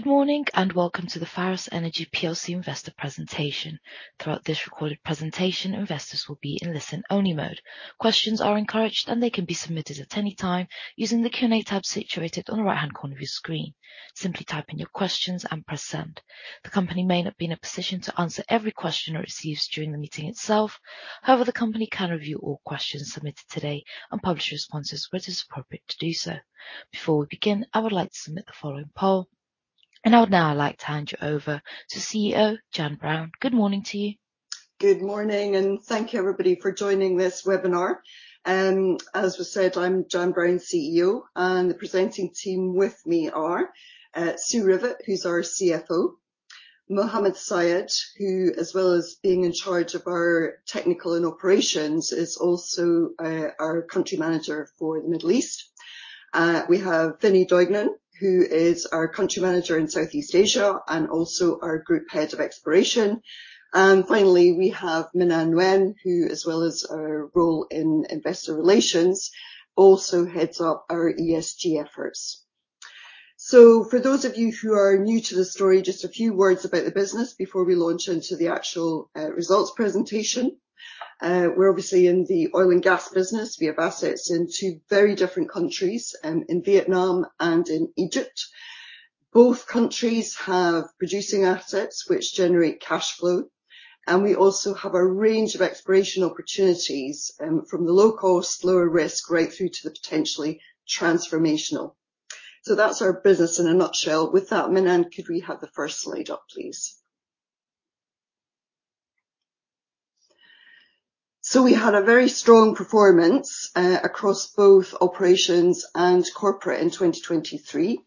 Good morning and welcome to the Pharos Energy plc investor presentation. Throughout this recorded presentation, investors will be in listen-only mode. Questions are encouraged, and they can be submitted at any time using the Q&A tab situated on the right-hand corner of your screen. Simply type in your questions and press send. The company may not be in a position to answer every question it receives during the meeting itself; however, the company can review all questions submitted today and publish responses where it is appropriate to do so. Before we begin, I would like to submit the following poll, and now I'd like to hand you over to CEO Jann Brown. Good morning to you. Good morning, and thank you, everybody, for joining this webinar. As was said, I'm Jann Brown, CEO, and the presenting team with me are Sue Rivett, who's our CFO; Mohamed Sayed, who, as well as being in charge of our technical and operations, is also our country manager for the Middle East; we have Vinny Duignan, who is our country manager in Southeast Asia and also our group head of exploration; and finally, we have Minh Anh Nguyen, who, as well as our role in investor relations, also heads up our ESG efforts. So for those of you who are new to the story, just a few words about the business before we launch into the actual results presentation. We're obviously in the oil and gas business. We have assets in two very different countries, in Vietnam and in Egypt. Both countries have producing assets which generate cash flow, and we also have a range of exploration opportunities, from the low-cost, lower-risk, right through to the potentially transformational. So that's our business in a nutshell. With that, Minh-Anh, could we have the first slide up, please? So we had a very strong performance, across both operations and corporate in 2023.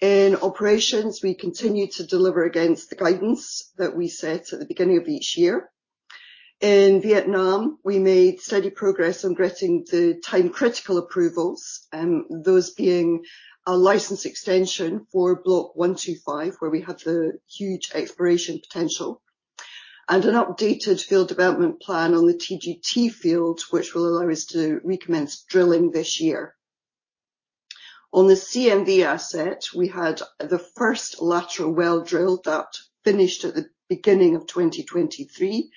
In operations, we continued to deliver against the guidance that we set at the beginning of each year. In Vietnam, we made steady progress on getting the time-critical approvals, those being a license extension for Block 125, where we have the huge exploration potential, and an updated field development plan on the TGT field, which will allow us to recommence drilling this year. On the CNV asset, we had the first lateral well drilled that finished at the beginning of 2023,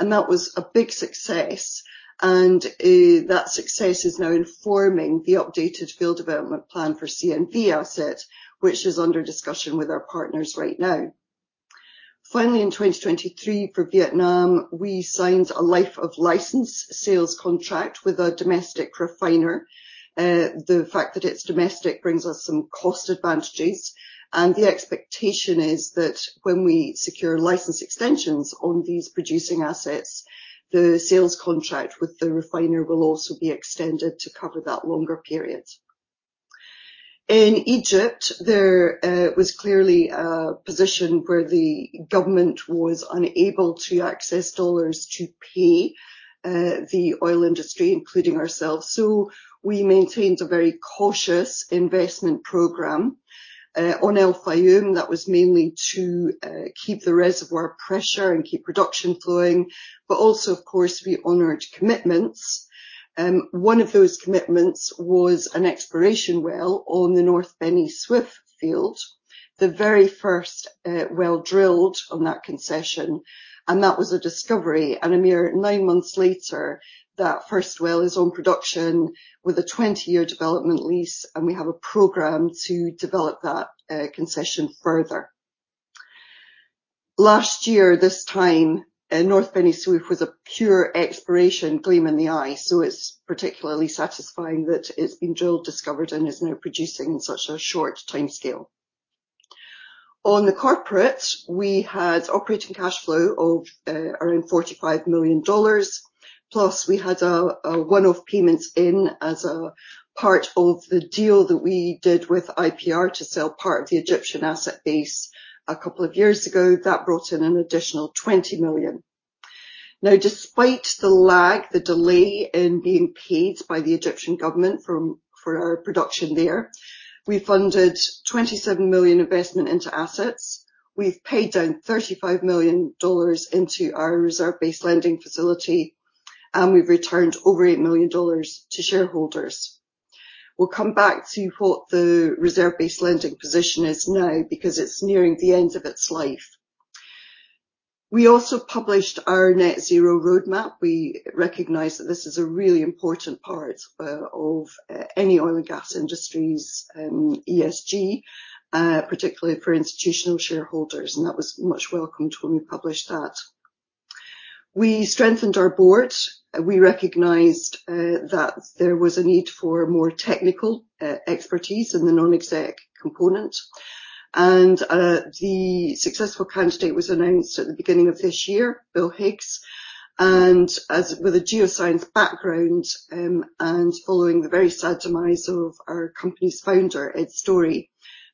and that was a big success, and, that success is now informing the updated field development plan for CNV asset, which is under discussion with our partners right now. Finally, in 2023, for Vietnam, we signed a life-of-license sales contract with a domestic refiner. The fact that it's domestic brings us some cost advantages, and the expectation is that when we secure license extensions on these producing assets, the sales contract with the refiner will also be extended to cover that longer period. In Egypt, there was clearly a position where the government was unable to access dollars to pay the oil industry, including ourselves, so we maintained a very cautious investment program on El Fayum that was mainly to keep the reservoir pressure and keep production flowing, but also, of course, we honored commitments. One of those commitments was an exploration well on the North Beni Suef field, the very first well drilled on that concession, and that was a discovery. A mere nine months later, that first well is on production with a 20-year development lease, and we have a program to develop that concession further. Last year this time, North Beni Suef was a pure exploration gleam in the eye, so it's particularly satisfying that it's been drilled, discovered, and is now producing in such a short timescale. On the corporate, we had operating cash flow of around $45 million, plus we had a one-off payment in as a part of the deal that we did with IPR to sell part of the Egyptian asset base a couple of years ago that brought in an additional $20 million. Now, despite the lag, the delay in being paid by the Egyptian government for our production there, we funded $27 million investment into assets. We've paid down $35 million into our reserve-based lending facility, and we've returned over $8 million to shareholders. We'll come back to what the reserve-based lending position is now because it's nearing the end of its life. We also published our net-zero roadmap. We recognize that this is a really important part of any oil and gas industry's ESG, particularly for institutional shareholders, and that was much welcomed when we published that. We strengthened our board. We recognized that there was a need for more technical expertise in the non-exec component, and the successful candidate was announced at the beginning of this year, Bill Higgs. And as with a geoscience background, and following the very sad demise of our company's founder, Ed Story,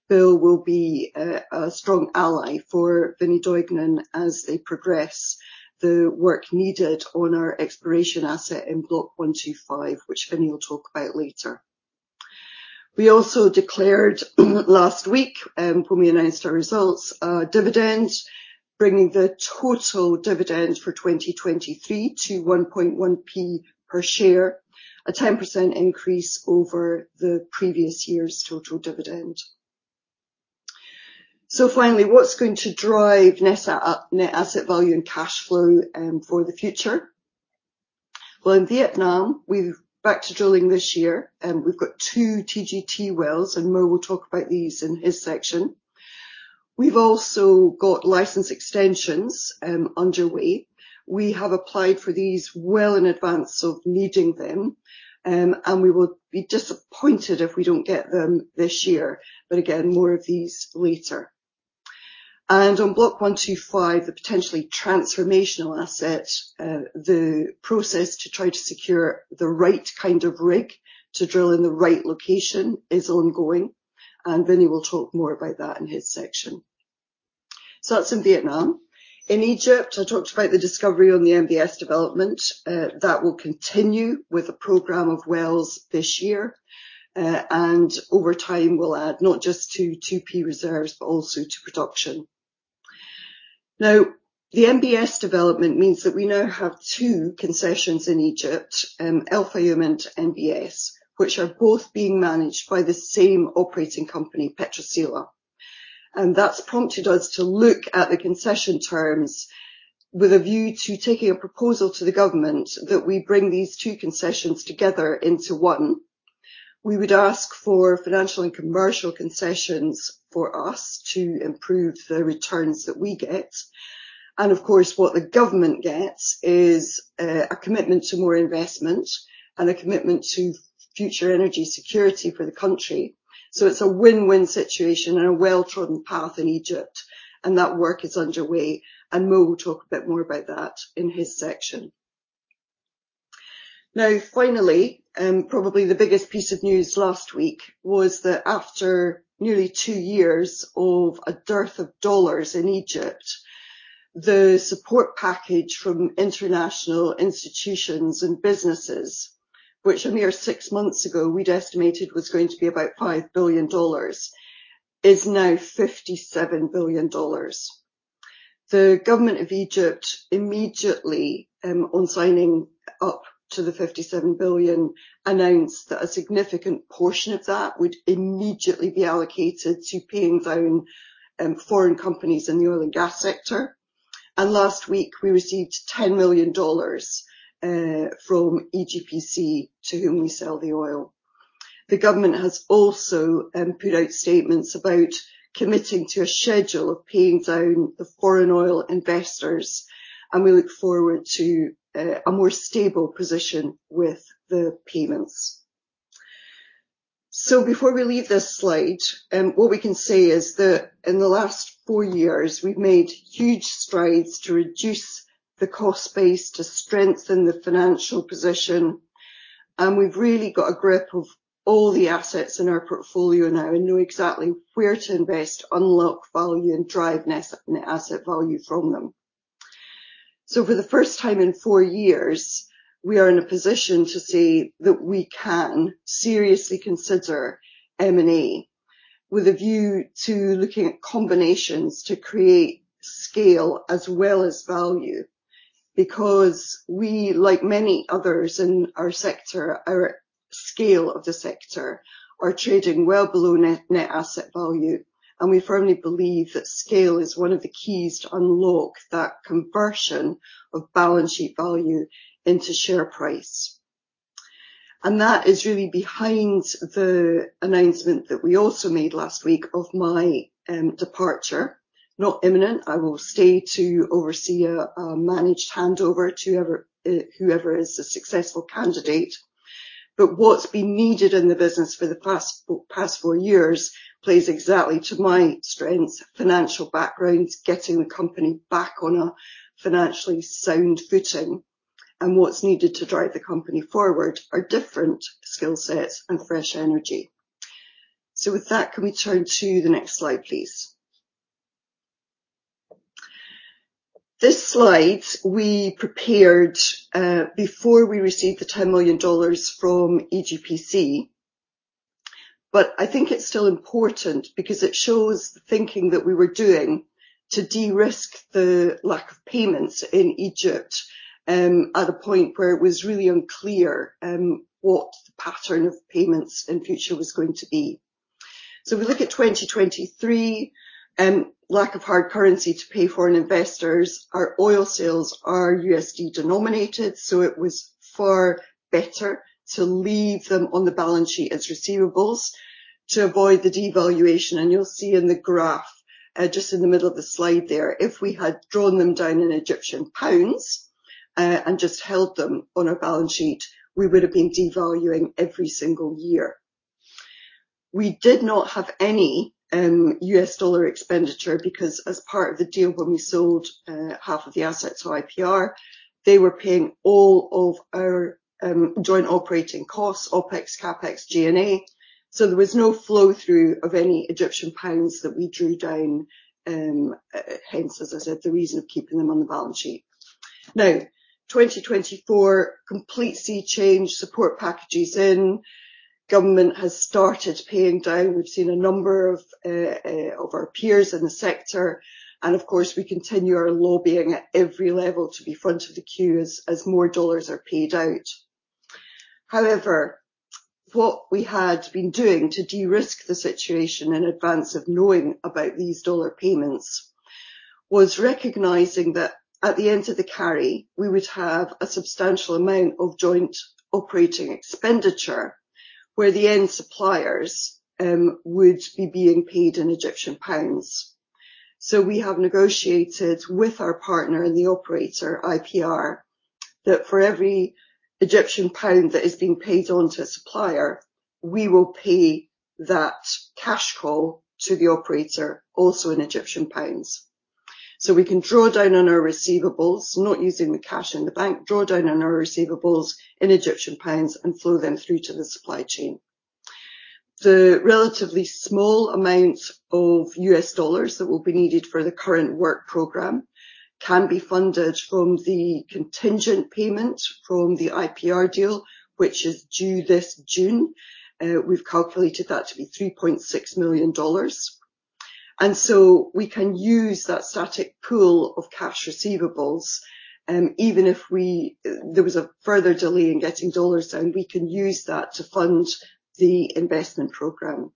Bill will be a strong ally for Vinny Duignan as they progress the work needed on our exploration asset in Block 125, which Vincent will talk about later. We also declared last week, when we announced our results, a dividend, bringing the total dividend for 2023 to GBP 1.1p per share, a 10% increase over the previous year's total dividend. So finally, what's going to drive net asset value and cash flow for the future? Well, in Vietnam, we're back to drilling this year, and we've got two TGT wells, and Mo will talk about these in his section. We've also got license extensions underway. We have applied for these well in advance of needing them, and we will be disappointed if we don't get them this year, but again, more of these later. And on Block 125, the potentially transformational asset, the process to try to secure the right kind of rig to drill in the right location is ongoing, and Vinnie will talk more about that in his section. So that's in Vietnam. In Egypt, I talked about the discovery on the NBS development, that will continue with a program of wells this year, and over time, we'll add not just to 2P reserves but also to production. Now, the NBS development means that we now have two concessions in Egypt, El Fayum and NBS, which are both being managed by the same operating company, Petrosilah. And that's prompted us to look at the concession terms with a view to taking a proposal to the government that we bring these two concessions together into one. We would ask for financial and commercial concessions for us to improve the returns that we get, and of course, what the government gets is, a commitment to more investment and a commitment to future energy security for the country. So it's a win-win situation and a well-trodden path in Egypt, and that work is underway, and Mo will talk a bit more about that in his section. Now finally, probably the biggest piece of news last week was that after nearly two years of a dearth of dollars in Egypt, the support package from international institutions and businesses, which a mere six months ago we'd estimated was going to be about $5 billion, is now $57 billion. The government of Egypt immediately, on signing up to the $57 billion, announced that a significant portion of that would immediately be allocated to paying down foreign companies in the oil and gas sector. Last week, we received $10 million from EGPC, to whom we sell the oil. The government has also put out statements about committing to a schedule of paying down the foreign oil investors, and we look forward to a more stable position with the payments. So before we leave this slide, what we can say is that in the last four years, we've made huge strides to reduce the cost base to strengthen the financial position, and we've really got a grip of all the assets in our portfolio now and know exactly where to invest, unlock value, and drive net asset value from them. So for the first time in four years, we are in a position to say that we can seriously consider M&A with a view to looking at combinations to create scale as well as value because we, like many others in our sector, our scale of the sector, are trading well below net asset value, and we firmly believe that scale is one of the keys to unlock that conversion of balance sheet value into share price. And that is really behind the announcement that we also made last week of my departure, not imminent. I will stay to oversee a managed handover to whoever is the successful candidate. But what's been needed in the business for the past four years plays exactly to my strengths: financial backgrounds, getting the company back on a financially sound footing, and what's needed to drive the company forward are different skill sets and fresh energy. So with that, can we turn to the next slide, please? This slide we prepared, before we received the $10 million from EGPC, but I think it's still important because it shows the thinking that we were doing to de-risk the lack of payments in Egypt, at a point where it was really unclear what the pattern of payments in the future was going to be. So we look at 2023, lack of hard currency to pay foreign investors. Our oil sales are USD denominated, so it was far better to leave them on the balance sheet as receivables to avoid the devaluation. You'll see in the graph, just in the middle of the slide there, if we had drawn them down in Egyptian pounds, and just held them on our balance sheet, we would have been devaluing every single year. We did not have any U.S. dollar expenditure because as part of the deal when we sold half of the assets to IPR, they were paying all of our joint operating costs: OPEX, CAPEX, G&A. So there was no flow-through of any Egyptian pounds that we drew down, hence, as I said, the reason of keeping them on the balance sheet. Now, 2024, completely changed support packages in. Government has started paying down. We've seen a number of our peers in the sector, and of course, we continue our lobbying at every level to be front of the queue as more U.S. dollars are paid out. However, what we had been doing to de-risk the situation in advance of knowing about these dollar payments was recognizing that at the end of the carry, we would have a substantial amount of joint operating expenditure where the end suppliers would be being paid in Egyptian pounds. So we have negotiated with our partner and the operator, IPR, that for every Egyptian pound that is being paid onto a supplier, we will pay that cash call to the operator also in Egyptian pounds. So we can draw down on our receivables, not using the cash in the bank, draw down on our receivables in Egyptian pounds and flow them through to the supply chain. The relatively small amounts of US dollars that will be needed for the current work program can be funded from the contingent payment from the IPR deal, which is due this June. We've calculated that to be $3.6 million. So we can use that static pool of cash receivables, even if there was a further delay in getting dollars down, we can use that to fund the investment program.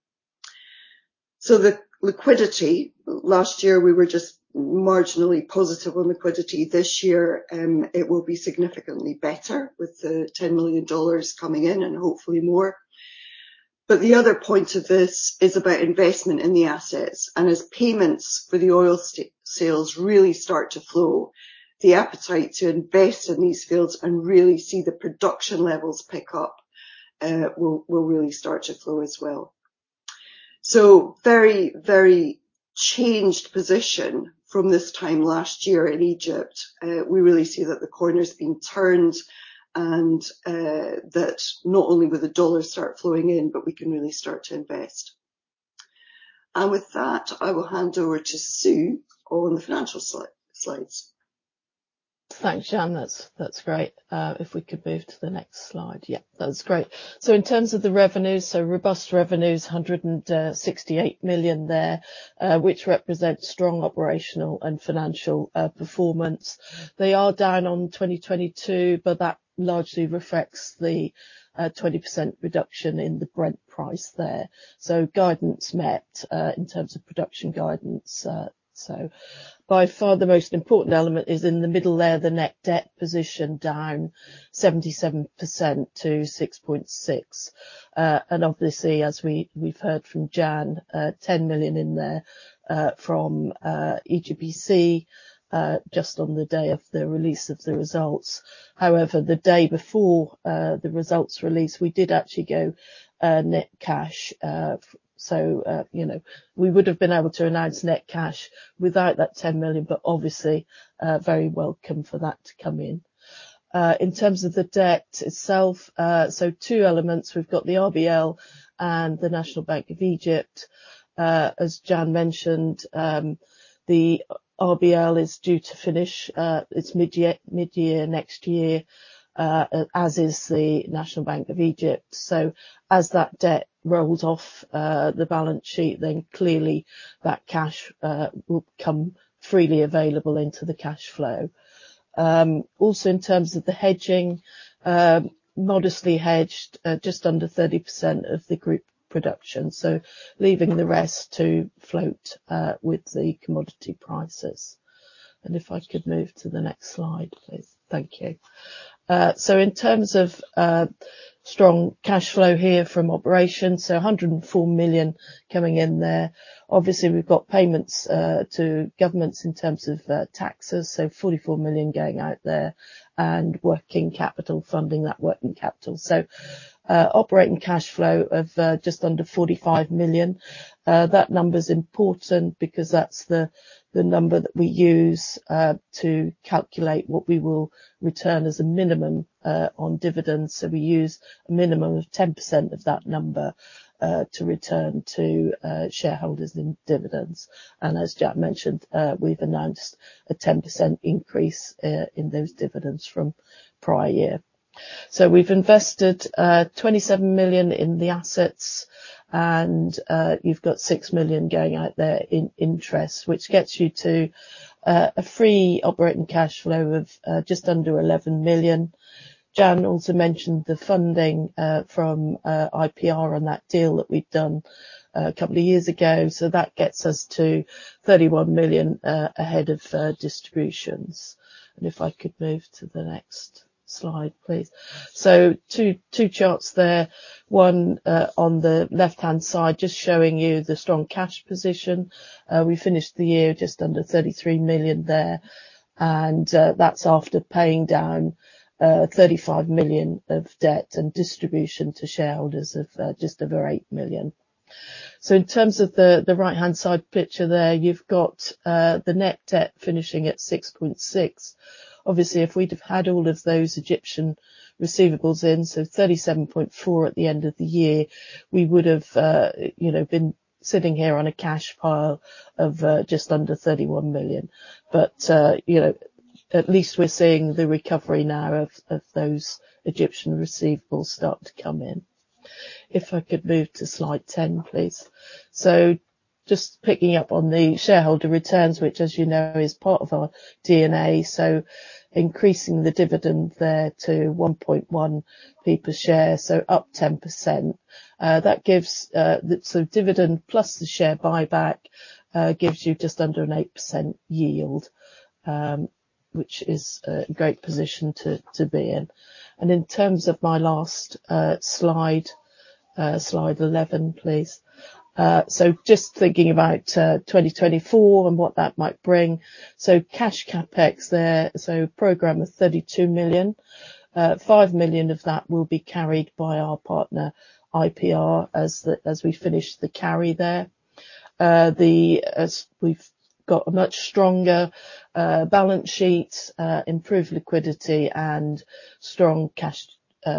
The liquidity last year, we were just marginally positive on liquidity. This year, it will be significantly better with the $10 million coming in and hopefully more. But the other point of this is about investment in the assets, and as payments for the oil sales really start to flow, the appetite to invest in these fields and really see the production levels pick up, will, will really start to flow as well. So very, very changed position from this time last year in Egypt. We really see that the corner's been turned and, that not only will the dollars start flowing in, but we can really start to invest. With that, I will hand over to Sue on the financial slides. Thanks, Jann. That's, that's great. If we could move to the next slide. Yep, that's great. So in terms of the revenues, so robust revenues, $168 million there, which represent strong operational and financial performance. They are down on 2022, but that largely reflects the 20% reduction in the Brent price there. So guidance met, in terms of production guidance. So by far, the most important element is in the middle there, the net debt position down 77% to $6.6 million. And obviously, as we, we've heard from Jann, $10 million in there, from EGPC, just on the day of the release of the results. However, the day before, the results release, we did actually go net cash. So, you know, we would have been able to announce net cash without that $10 million, but obviously, very welcome for that to come in. In terms of the debt itself, so two elements. We've got the RBL and the National Bank of Egypt. As Jann mentioned, the RBL is due to finish, it's mid-year, mid-year next year, as is the National Bank of Egypt. So as that debt rolls off, the balance sheet, then clearly that cash, will come freely available into the cash flow. Also in terms of the hedging, modestly hedged, just under 30% of the group production, so leaving the rest to float, with the commodity prices. And if I could move to the next slide, please. Thank you. So in terms of, strong cash flow here from operations, so $104 million coming in there. Obviously, we've got payments to governments in terms of taxes, so $44 million going out there and working capital funding, that working capital. So, operating cash flow of just under $45 million. That number's important because that's the number that we use to calculate what we will return as a minimum on dividends. So we use a minimum of 10% of that number to return to shareholders in dividends. And as Jack mentioned, we've announced a 10% increase in those dividends from prior year. So we've invested $27 million in the assets, and you've got $6 million going out there in interest, which gets you to a free operating cash flow of just under $11 million. Jann also mentioned the funding from IPR on that deal that we've done a couple of years ago. So that gets us to $31 million ahead of distributions. If I could move to the next slide, please. So two charts there. One, on the left-hand side, just showing you the strong cash position. We finished the year just under $33 million there, and that's after paying down $35 million of debt and distribution to shareholders of just over $8 million. So in terms of the right-hand side picture there, you've got the net debt finishing at 6.6%. Obviously, if we'd have had all of those Egyptian receivables in, so $37.4 million at the end of the year, we would have, you know, been sitting here on a cash pile of just under $31 million. But you know, at least we're seeing the recovery now of those Egyptian receivables start to come in. If I could move to slide 10, please. So just picking up on the shareholder returns, which, as you know, is part of our DNA, so increasing the dividend there to 1.1% per share, so up 10%, that gives the dividend plus the share buyback, gives you just under an 8% yield, which is a great position to be in. And in terms of my last slide, slide 11, please. So just thinking about 2024 and what that might bring. So cash CapEx there, so program of $32 million. $5 million of that will be carried by our partner, IPR, as we finish the carry there. We've got a much stronger balance sheet, improved liquidity, and strong cash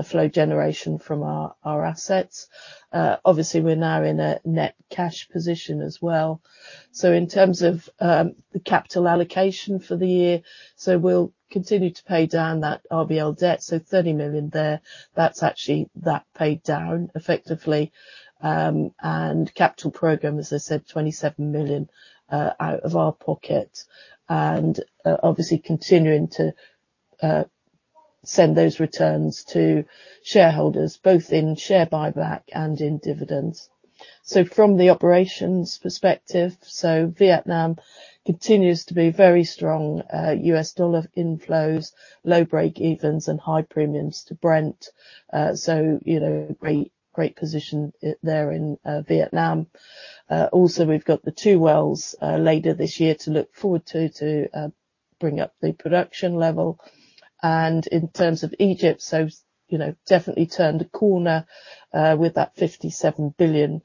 flow generation from our assets. Obviously, we're now in a net cash position as well. So in terms of the capital allocation for the year, so we'll continue to pay down that RBL debt, so $30 million there. That's actually that paid down, effectively. And capital program, as I said, $27 million, out of our pocket and, obviously continuing to send those returns to shareholders, both in share buyback and in dividends. So from the operations perspective, so Vietnam continues to be very strong, US dollar inflows, low break-evens and high premiums to Brent. So, you know, great, great position there in Vietnam. Also, we've got the two wells, later this year to look forward to, to bring up the production level. And in terms of Egypt, so, you know, definitely turned the corner, with that $57 billion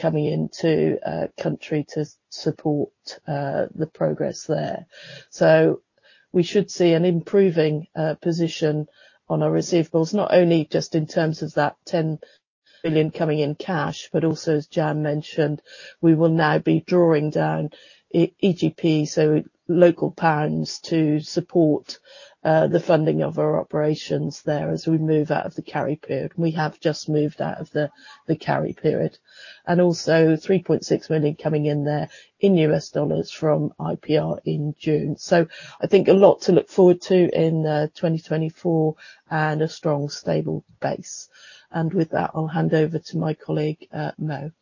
coming into a country to support the progress there. So we should see an improving position on our receivables, not only just in terms of that $10 million coming in cash, but also, as Jann mentioned, we will now be drawing down EGP, so local pounds, to support the funding of our operations there as we move out of the carry period. We have just moved out of the carry period. And also, $3.6 million coming in there in US dollars from IPR in June. So I think a lot to look forward to in 2024 and a strong, stable base. And with that, I'll hand over to my colleague, Mo.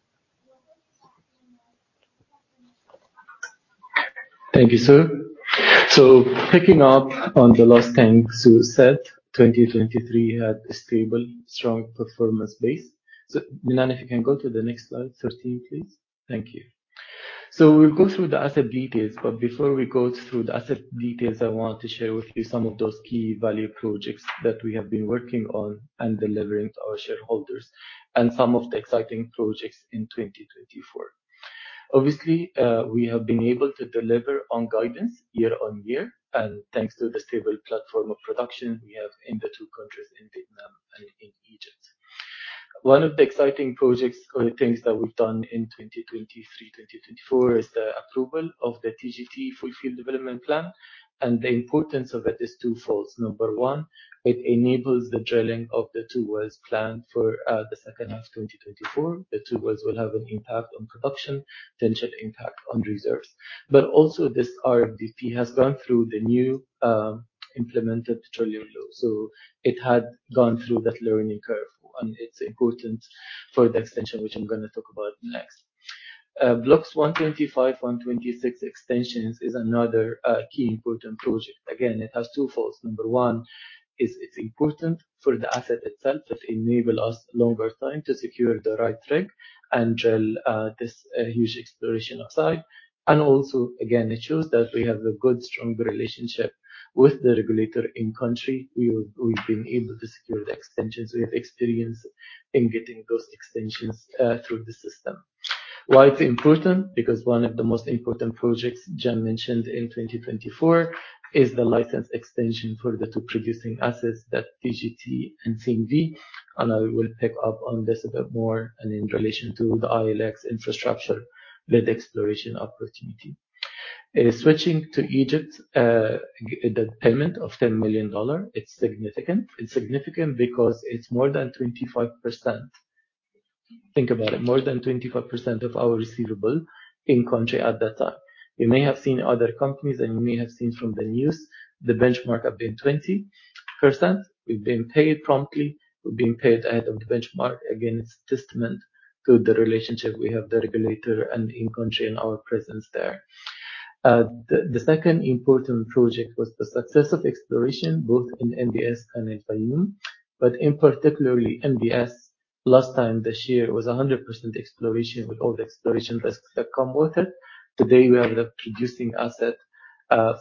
Thank you, Sue. Picking up on the last thing Sue said, 2023 had a stable, strong performance base. Minh-Anh, if you can go to the next slide, 13, please. Thank you. We'll go through the asset details, but before we go through the asset details, I want to share with you some of those key value projects that we have been working on and delivering to our shareholders and some of the exciting projects in 2024. Obviously, we have been able to deliver on guidance year on year, and thanks to the stable platform of production we have in the two countries, in Vietnam and in Egypt. One of the exciting projects or things that we've done in 2023, 2024 is the approval of the TGT fulfilled devevepment plan, and the importance of it is twofold. Number 1, it enables the drilling of the two wells planned for the second half of 2024. The two wells will have an impact on production, potential impact on reserves. But also, this RFDP has gone through the new implemented drilling law. So it had gone through that learning curve, and it's important for the extension, which I'm going to talk about next. Blocks 125 & 126 extensions is another key important project. Again, it has twofold. Number 1 is it's important for the asset itself. It enables us longer time to secure the right rig and drill this huge exploration site. And also, again, it shows that we have a good strong relationship with the regulator in country. We've been able to secure the extensions. We have experience in getting those extensions through the system. Why it's important? Because one of the most important projects Jann mentioned in 2024 is the license extension for the two producing assets, that TGT and CNV, and I will pick up on this a bit more and in relation to the ILX infrastructure-led exploration opportunity. Switching to Egypt, the payment of $10 million, it's significant. It's significant because it's more than 25%. Think about it. More than 25% of our receivable in country at that time. You may have seen other companies, and you may have seen from the news, the benchmark have been 20%. We've been paid promptly. We're being paid ahead of the benchmark. Again, it's a testament to the relationship we have with the regulator and in country and our presence there. The second important project was the success of exploration, both in NBS and in Fayum, but in particular, NBS last time this year was 100% exploration with all the exploration risks that come with it. Today, we have the producing asset,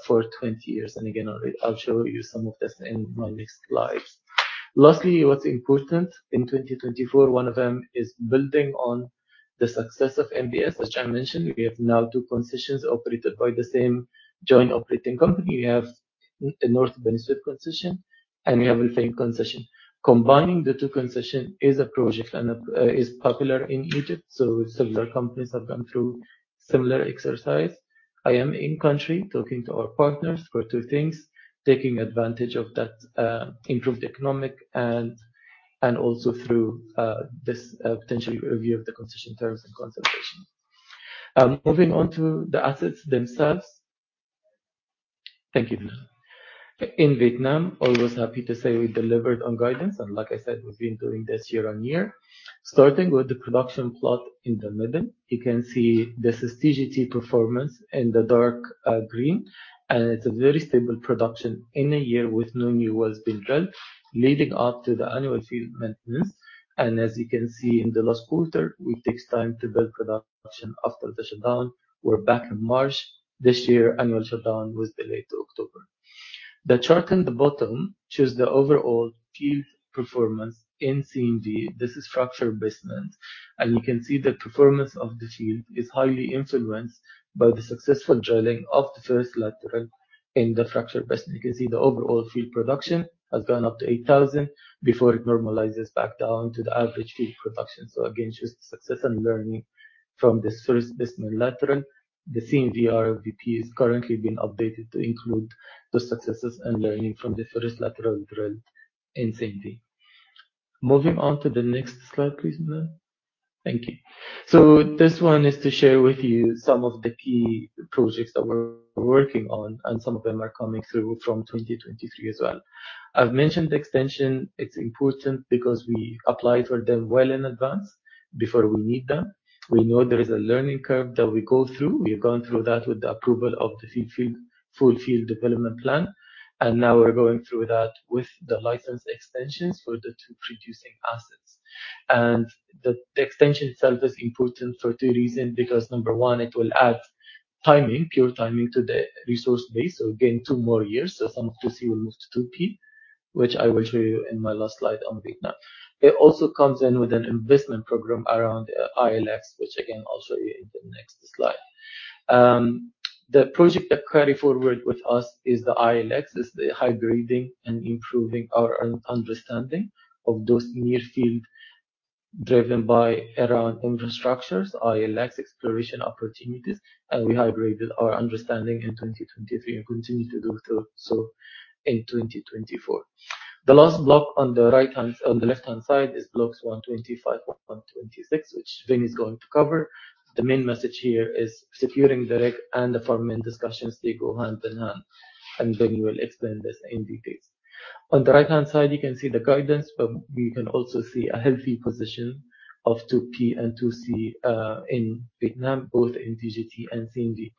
for 20 years. And again, I'll show you some of this in my next slides. Lastly, what's important in 2024, one of them is building on the success of NBS. As Jann mentioned, we have now two concessions operated by the same joint operating company. We have a North Beni Suef concession, and we have a Fayum concession. Combining the two concessions is a project that is popular in Egypt, so similar companies have gone through similar exercise. I am in country talking to our partners for two things, taking advantage of that improved economic and also through this potential review of the concession terms and consultation. Moving on to the assets themselves. Thank you, Minh-Anh. In Vietnam, always happy to say we delivered on guidance, and like I said, we've been doing this year on year. Starting with the production plot in the middle, you can see this is TGT performance in the dark green, and it's a very stable production in a year with no new wells being drilled, leading up to the annual field maintenance. As you can see in the last quarter, we take time to build production after the shutdown. We're back in March. This year, annual shutdown was delayed to October. The chart in the bottom shows the overall field performance in CNV. This is fracture basement, and you can see the performance of the field is highly influenced by the successful drilling of the first lateral in the fracture basement. You can see the overall field production has gone up to 8,000 before it normalizes back down to the average field production. So again, just the success and learning from this first basement lateral. The CNV RFDP is currently being updated to include the successes and learning from the first lateral drilled in CNV. Moving on to the next slide, please, Minh-Anh. Thank you. So this one is to share with you some of the key projects that we're working on, and some of them are coming through from 2023 as well. I've mentioned the extension. It's important because we applied for them well in advance before we need them. We know there is a learning curve that we go through. We have gone through that with the approval of the Field Development Plan, and now we're going through that with the license extensions for the two producing assets. The extension itself is important for two reasons. Because number one, it will add timing, pure timing, to the resource base. So again, two more years. So some of the 2C will move to 2P, which I will show you in my last slide on Vietnam. It also comes in with an investment program around ILX, which, again, I'll show you in the next slide. The project that carried forward with us is the ILX. It's the hybridizing and improving our understanding of those near field driven by around infrastructures, ILX exploration opportunities, and we hybridized our understanding in 2023 and continue to do so in 2024. The last block on the right-hand on the left-hand side is Blocks 125, 126, which Vinny is going to cover. The main message here is securing the rig and the farming discussions. They go hand in hand, and Vinny will explain this in detail. On the right-hand side, you can see the guidance, but you can also see a healthy position of 2P and 2C, in Vietnam, both in TGT and CNV.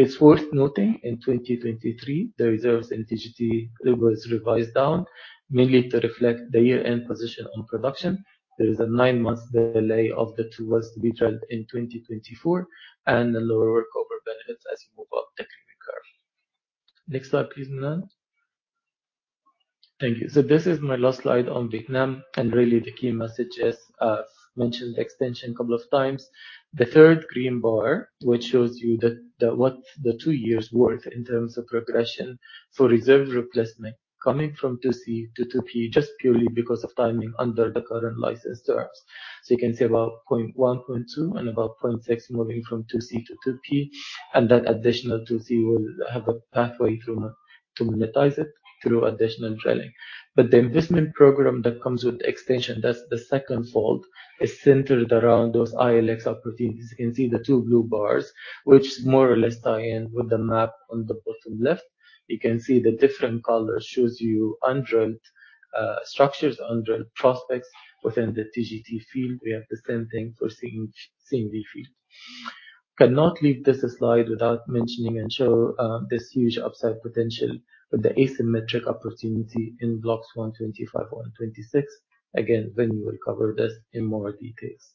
It's worth noting, in 2023, the reserves in TGT was revised down, mainly to reflect the year-end position on production. There is a 9-month delay of the 2 wells to be drilled in 2024 and the lower workover benefits as you move up the clearing curve. Next slide, please, Minh-Anh. Thank you. So this is my last slide on Vietnam, and really, the key message is, mentioned the extension a couple of times. The third green bar, which shows you the what the 2 years' worth in terms of progression for reserve replacement coming from 2C to 2P just purely because of timing under the current license terms. So you can see about 0.1%, 0.2%, and about 0.6% moving from 2C-2P, and that additional 2C will have a pathway to monetize it through additional drilling. But the investment programme that comes with the extension, that's the second fold, is centered around those ILX opportunities. You can see the two blue bars, which more or less tie in with the map on the bottom left. You can see the different colours shows you undrilled, structures undrilled, prospects within the TGT field. We have the same thing for CNV field. Cannot leave this slide without mentioning and show, this huge upside potential with the asymmetric opportunity in Blocks 125, 126. Again, Vinny will cover this in more details.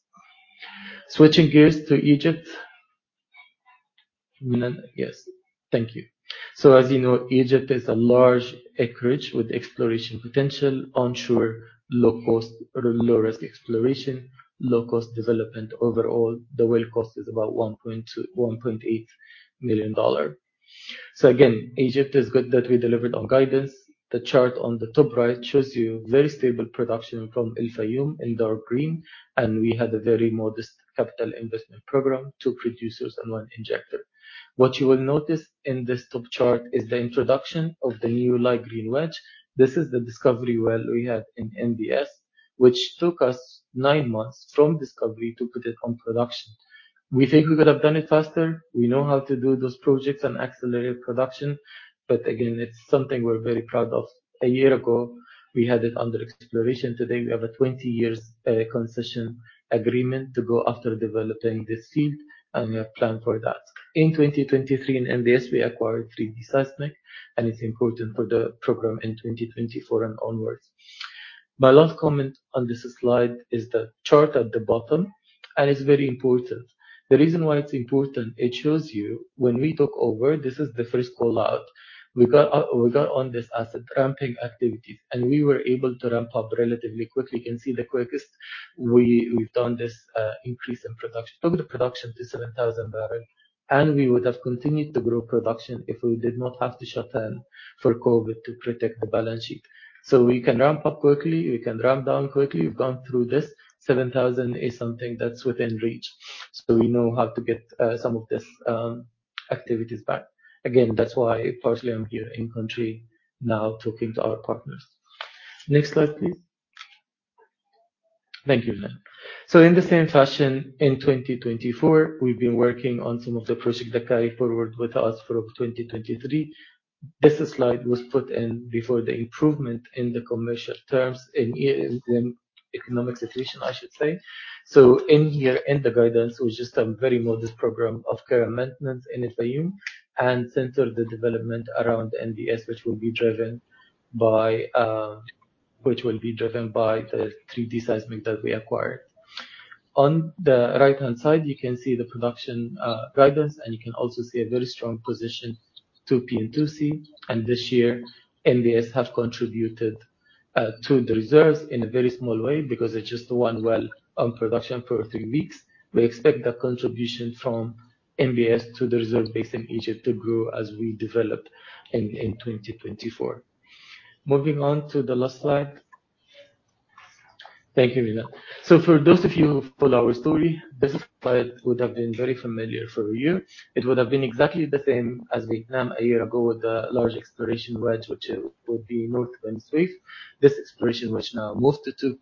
Switching gears to Egypt. Minh Anh, yes. Thank you. So as you know, Egypt is a large acreage with exploration potential, onshore, low-cost, low-risk exploration, low-cost development overall. The well cost is about $1.2 million-$1.8 million. So again, Egypt is good that we delivered on guidance. The chart on the top right shows you very stable production from El Fayum in dark green, and we had a very modest capital investment program, two producers and one injector. What you will notice in this top chart is the introduction of the new light green wedge. This is the discovery well we had in NBS, which took us nine months from discovery to put it on production. We think we could have done it faster. We know how to do those projects and accelerate production, but again, it's something we're very proud of. A year ago, we had it under exploration. Today, we have a 20-year concession agreement to go after developing this field, and we have a plan for that. In 2023, in NBS, we acquired 3D seismic, and it's important for the program in 2024 and onwards. My last comment on this slide is the chart at the bottom, and it's very important. The reason why it's important, it shows you when we took over, this is the first callout, we got on this asset, ramping activities, and we were able to ramp up relatively quickly. You can see the quickest we've done this, increase in production. Took the production to 7,000 barrel, and we would have continued to grow production if we did not have to shut down for COVID to protect the balance sheet. So we can ramp up quickly. We can ramp down quickly. We've gone through this. 7,000 is something that's within reach, so we know how to get, some of this, activities back. Again, that's why partially I'm here in country now talking to our partners. Next slide, please. Thank you, Minh-Anh. So in the same fashion, in 2024, we've been working on some of the projects that carried forward with us for 2023. This slide was put in before the improvement in the commercial terms in the economic situation, I should say. So in here, in the guidance was just a very modest program of care and maintenance in El Fayum and centered the development around NBS, which will be driven by the 3D seismic that we acquired. On the right-hand side, you can see the production guidance, and you can also see a very strong position 2P and 2C. And this year, NBS have contributed to the reserves in a very small way because it's just one well on production for three weeks. We expect that contribution from NBS to the reserve base in Egypt to grow as we develop in 2024. Moving on to the last slide. Thank you, Minh-Anh. So for those of you who follow our story, this slide would have been very familiar for you. It would have been exactly the same as Vietnam a year ago with the large exploration wedge, which would be North Beni Suef. This exploration, which now moved to 2P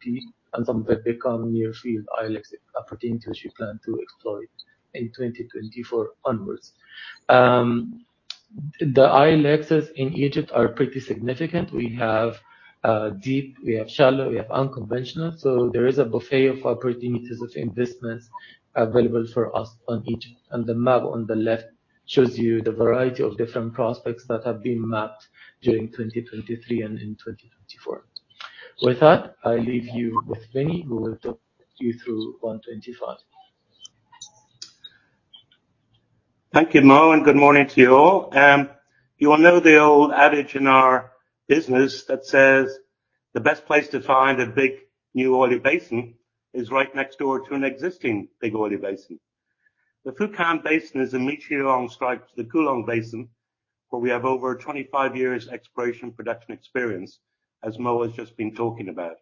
and somewhat become near field ILX opportunity, which we plan to exploit in 2024 onwards. The ILXs in Egypt are pretty significant. We have deep. We have shallow. We have unconventional. So there is a buffet of opportunities of investments available for us on Egypt. And the map on the left shows you the variety of different prospects that have been mapped during 2023 and in 2024. With that, I leave you with Vinny, who will talk you through 125. Thank you, Mo, and good morning to you all. You all know the old adage in our business that says the best place to find a big new oily basin is right next door to an existing big oily basin. The Phu Khanh Basin is right next door to the Cuu Long Basin where we have over 25 years' exploration production experience, as Mo has just been talking about.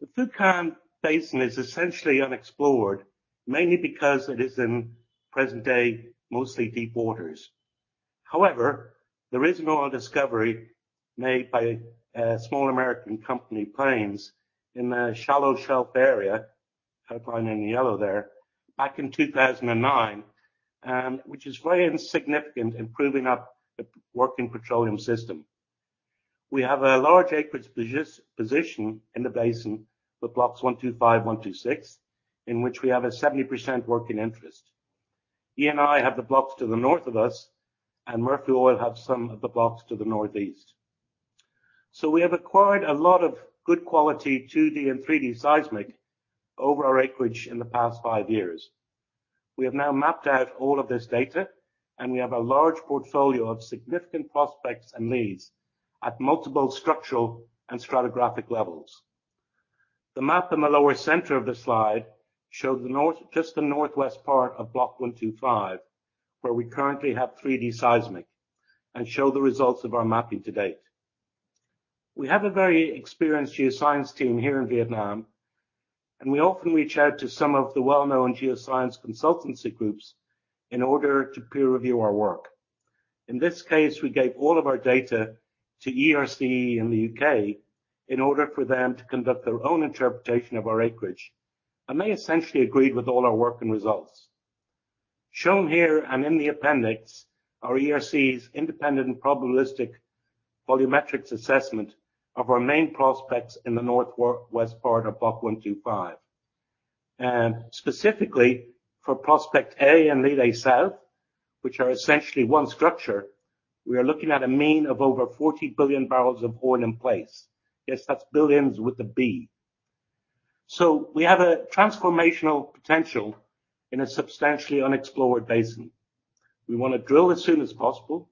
The Phu Khanh Basin is essentially unexplored, mainly because it is in present-day mostly deep waters. However, there is an oil discovery made by a small American company, Plains, in the shallow shelf area, highlighting the yellow there, back in 2009, which is very insignificant in proving up the working petroleum system. We have a large acreage position in the basin with Blocks 125, 126, in which we have a 70% working interest. Eni has the blocks to the north of us, and Murphy Oil has some of the blocks to the northeast. So we have acquired a lot of good quality 2D and 3D seismic over our acreage in the past five years. We have now mapped out all of this data, and we have a large portfolio of significant prospects and leads at multiple structural and stratigraphic levels. The map in the lower center of the slide shows the north just the northwest part of Block 125 where we currently have 3D seismic and shows the results of our mapping to date. We have a very experienced geoscience team here in Vietnam, and we often reach out to some of the well-known geoscience consultancy groups in order to peer review our work. In this case, we gave all of our data to ERCE in the U.K. in order for them to conduct their own interpretation of our acreage and they essentially agreed with all our work and results. Shown here and in the appendix are ERCE's independent and probabilistic volumetrics assessment of our main prospects in the northwest part of Block 125. Specifically for Prospect A and Lead A South, which are essentially one structure, we are looking at a mean of over 40 billion barrels of oil in place. Yes, that's billions with a B. So we have a transformational potential in a substantially unexplored basin. We want to drill as soon as possible,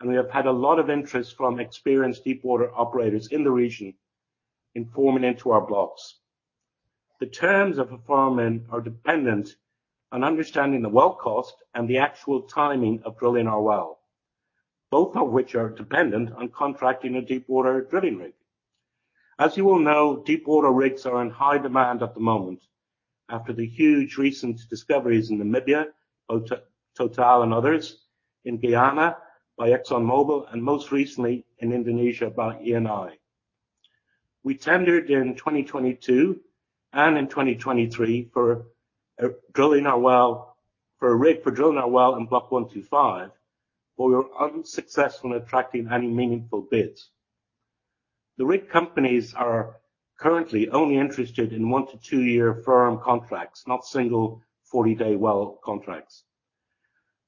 and we have had a lot of interest from experienced deep-water operators in the region in farm-in to our blocks. The terms of farming are dependent on understanding the well cost and the actual timing of drilling our well, both of which are dependent on contracting a deep-water drilling rig. As you all know, deep-water rigs are in high demand at the moment after the huge recent discoveries in Namibia, TotalEnergies, and others in Guyana by ExxonMobil, and most recently in Indonesia by Eni. We tendered in 2022 and in 2023 for a drilling our well for a rig for drilling our well in Block 125, but we were unsuccessful in attracting any meaningful bids. The rig companies are currently only interested in 1-2-year firm contracts, not single 40-day well contracts.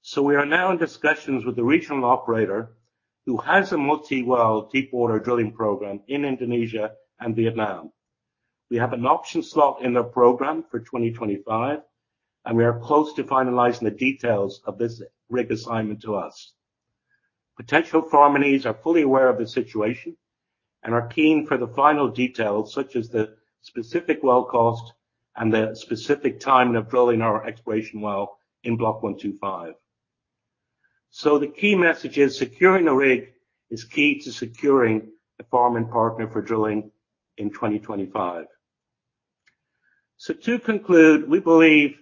So we are now in discussions with the regional operator who has a multi-well deep-water drilling programme in Indonesia and Vietnam. We have an option slot in their program for 2025, and we are close to finalizing the details of this rig assignment to us. Potential farming needs are fully aware of the situation and are keen for the final details such as the specific well cost and the specific timing of drilling our exploration well in Block 125. So the key message is securing a rig is key to securing a farming partner for drilling in 2025. So to conclude, we believe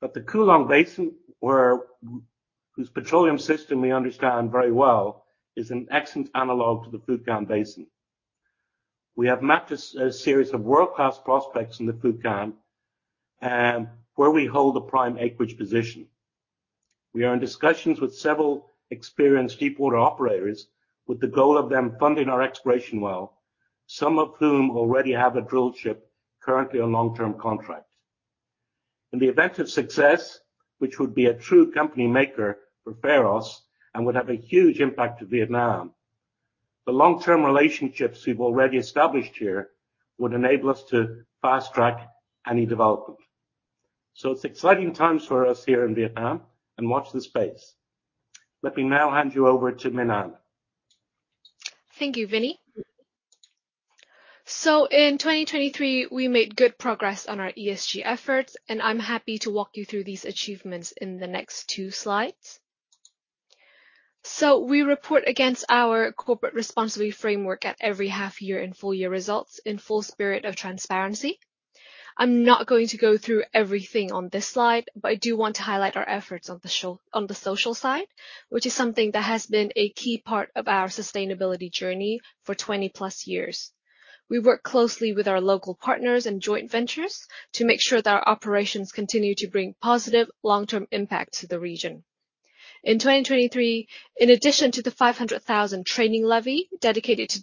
that the Cuu Long Basin, whose petroleum system we understand very well, is an excellent analogue to the Phu Khanh Basin. We have mapped a series of world-class prospects in the Phu Khanh, where we hold a prime acreage position. We are in discussions with several experienced deep-water operators with the goal of them funding our exploration well, some of whom already have a drillship currently on long-term contract. In the event of success, which would be a true company maker for Pharos and would have a huge impact to Vietnam, the long-term relationships we've already established here would enable us to fast-track any development. So it's exciting times for us here in Vietnam, and watch this space. Let me now hand you over to Minh-Anh. Thank you, Vinny. So in 2023, we made good progress on our ESG efforts, and I'm happy to walk you through these achievements in the next two slides. So we report against our corporate responsibility framework at every half-year and full-year results in full spirit of transparency. I'm not going to go through everything on this slide, but I do want to highlight our efforts on the social side, which is something that has been a key part of our sustainability journey for 20-plus years. We work closely with our local partners and joint ventures to make sure that our operations continue to bring positive long-term impact to the region. In 2023, in addition to the $500,000 training levy dedicated to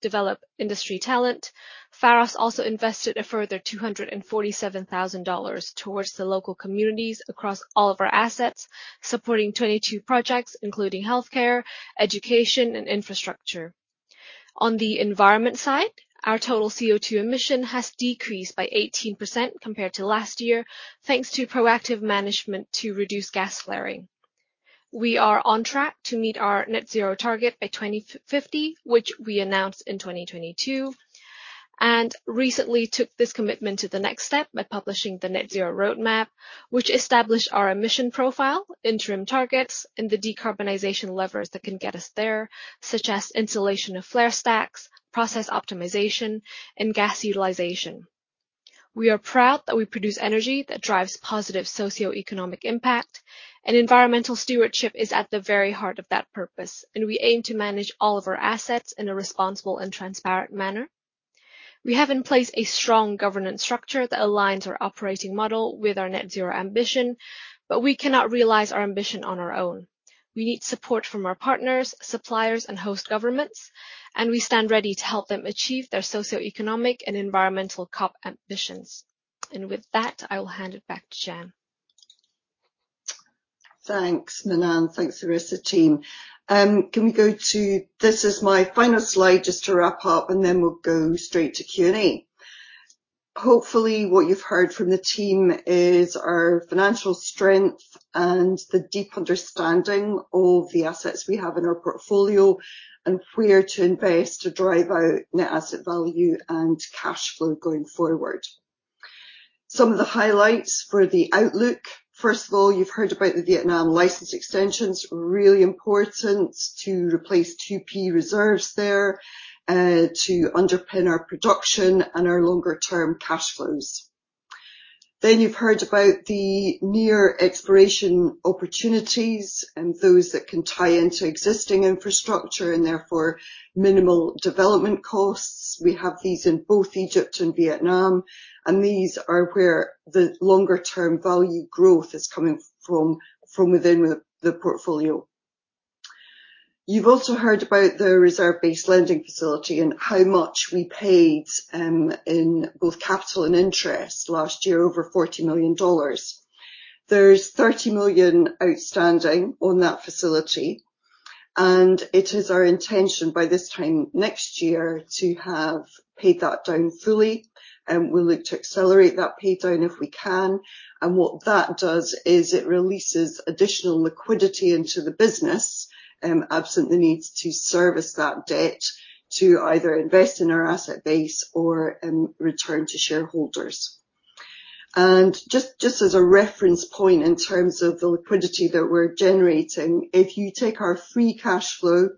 develop industry talent, Pharos also invested a further $247,000 towards the local communities across all of our assets, supporting 22 projects including healthcare, education, and infrastructure. On the environment side, our total CO2 emission has decreased by 18% compared to last year thanks to proactive management to reduce gas flaring. We are on track to meet our net-zero target by 2050, which we announced in 2022, and recently took this commitment to the next step by publishing the net-zero roadmap, which established our emission profile, interim targets, and the decarbonization levers that can get us there, such as insulation of flare stacks, process optimization, and gas utilization. We are proud that we produce energy that drives positive socioeconomic impact, and environmental stewardship is at the very heart of that purpose, and we aim to manage all of our assets in a responsible and transparent manner. We have in place a strong governance structure that aligns our operating model with our net-zero ambition, but we cannot realize our ambition on our own. We need support from our partners, suppliers, and host governments, and we stand ready to help them achieve their socioeconomic and environmental COP ambitions. And with that, I will hand it back to Jann. Thanks, Minh-Anh. Thanks, IR team. Can we go to this? This is my final slide just to wrap up, and then we'll go straight to Q&A. Hopefully, what you've heard from the team is our financial strength and the deep understanding of the assets we have in our portfolio and where to invest to drive out net asset value and cash flow going forward. Some of the highlights for the outlook, first of all, you've heard about the Vietnam license extensions, really important to replace 2P reserves there, to underpin our production and our longer-term cash flows. Then you've heard about the near exploration opportunities and those that can tie into existing infrastructure and therefore minimal development costs. We have these in both Egypt and Vietnam, and these are where the longer-term value growth is coming from, from within the portfolio. You've also heard about the reserve-based lending facility and how much we paid, in both capital and interest last year, over $40 million. There's $30 million outstanding on that facility, and it is our intention by this time next year to have paid that down fully. We'll look to accelerate that paydown if we can. And what that does is it releases additional liquidity into the business, absent the needs to service that debt to either invest in our asset base or return to shareholders. And just as a reference point in terms of the liquidity that we're generating, if you take our free cash flow,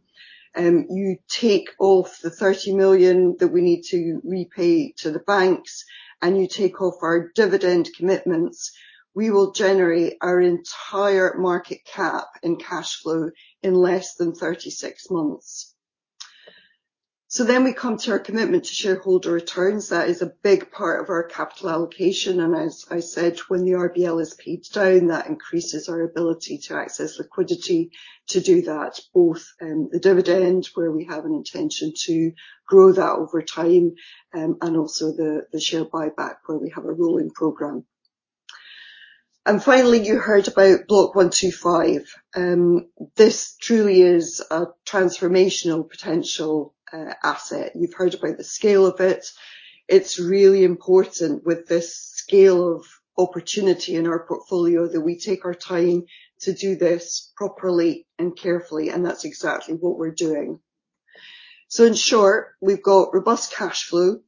you take off the $30 million that we need to repay to the banks, and you take off our dividend commitments, we will generate our entire market cap in cash flow in less than 36 months. So then we come to our commitment to shareholder returns. That is a big part of our capital allocation. And as I said, when the RBL is paid down, that increases our ability to access liquidity to do that, both, the dividend where we have an intention to grow that over time, and also the, the share buyback where we have a rolling program. And finally, you heard about Block 125. This truly is a transformational potential, asset. You've heard about the scale of it. It's really important with this scale of opportunity in our portfolio that we take our time to do this properly and carefully, and that's exactly what we're doing. So in short, we've got robust cash flow.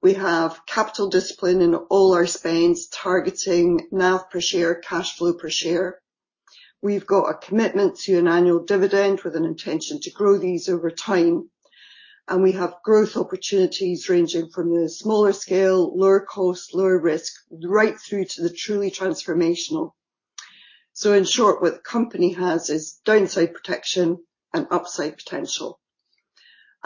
We have capital discipline in all our spends targeting NAV per share, cash flow per share. We've got a commitment to an annual dividend with an intention to grow these over time, and we have growth opportunities ranging from the smaller scale, lower cost, lower risk, right through to the truly transformational. So in short, what the company has is downside protection and upside potential.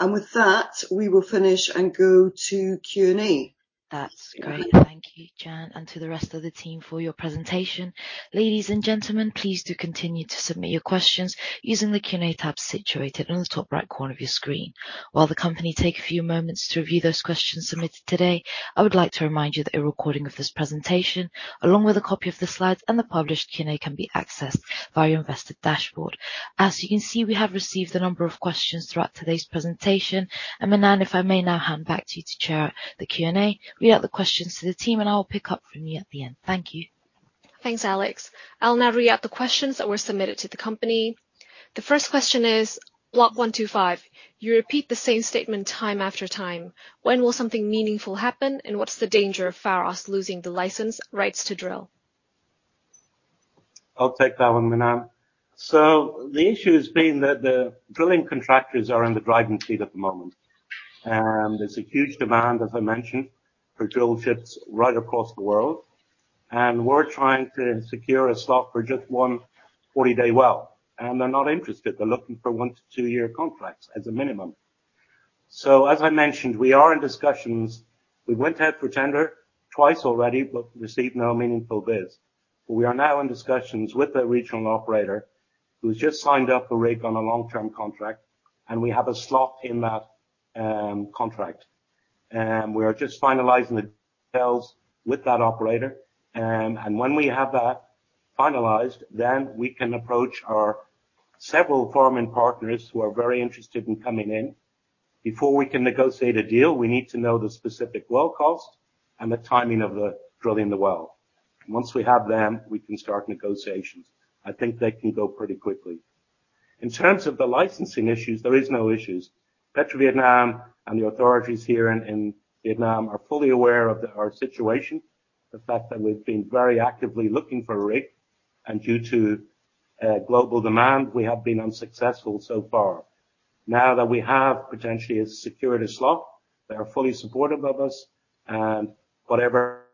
With that, we will finish and go to Q&A. That's great. Thank you, Jann, and to the rest of the team for your presentation. Ladies and gentlemen, please do continue to submit your questions using the Q&A tab situated on the top right corner of your screen. While the company takes a few moments to review those questions submitted today, I would like to remind you that a recording of this presentation, along with a copy of the slides and the published Q&A, can be accessed via your investor dashboard. As you can see, we have received a number of questions throughout today's presentation. Minh-Anh, if I may now hand back to you to chair the Q&A, read out the questions to the team, and I'll pick up from you at the end. Thank you. Thanks, Alex. I'll now read out the questions that were submitted to the company. The first question is, Block 125, you repeat the same statement time after time. When will something meaningful happen, and what's the danger of Pharos losing the license rights to drill? I'll take that one, Minh-Anh. The issue has been that the drilling contractors are in the driving seat at the moment. There's a huge demand, as I mentioned, for drillships right across the world, and we're trying to secure a slot for just one 40-day well, and they're not interested. They're looking for 1-2-year contracts as a minimum. So as I mentioned, we are in discussions. We went out for tender twice already but received no meaningful bids. But we are now in discussions with a regional operator who has just signed up a rig on a long-term contract, and we have a slot in that contract. We are just finalizing the details with that operator. And when we have that finalized, then we can approach our several farming partners who are very interested in coming in. Before we can negotiate a deal, we need to know the specific well cost and the timing of the drilling the well. Once we have them, we can start negotiations. I think they can go pretty quickly. In terms of the licensing issues, there are no issues. PetroVietnam and the authorities here in Vietnam are fully aware of our situation, the fact that we've been very actively looking for a rig, and due to global demand, we have been unsuccessful so far. Now that we have potentially a secured slot, they are fully supportive of us, and whatever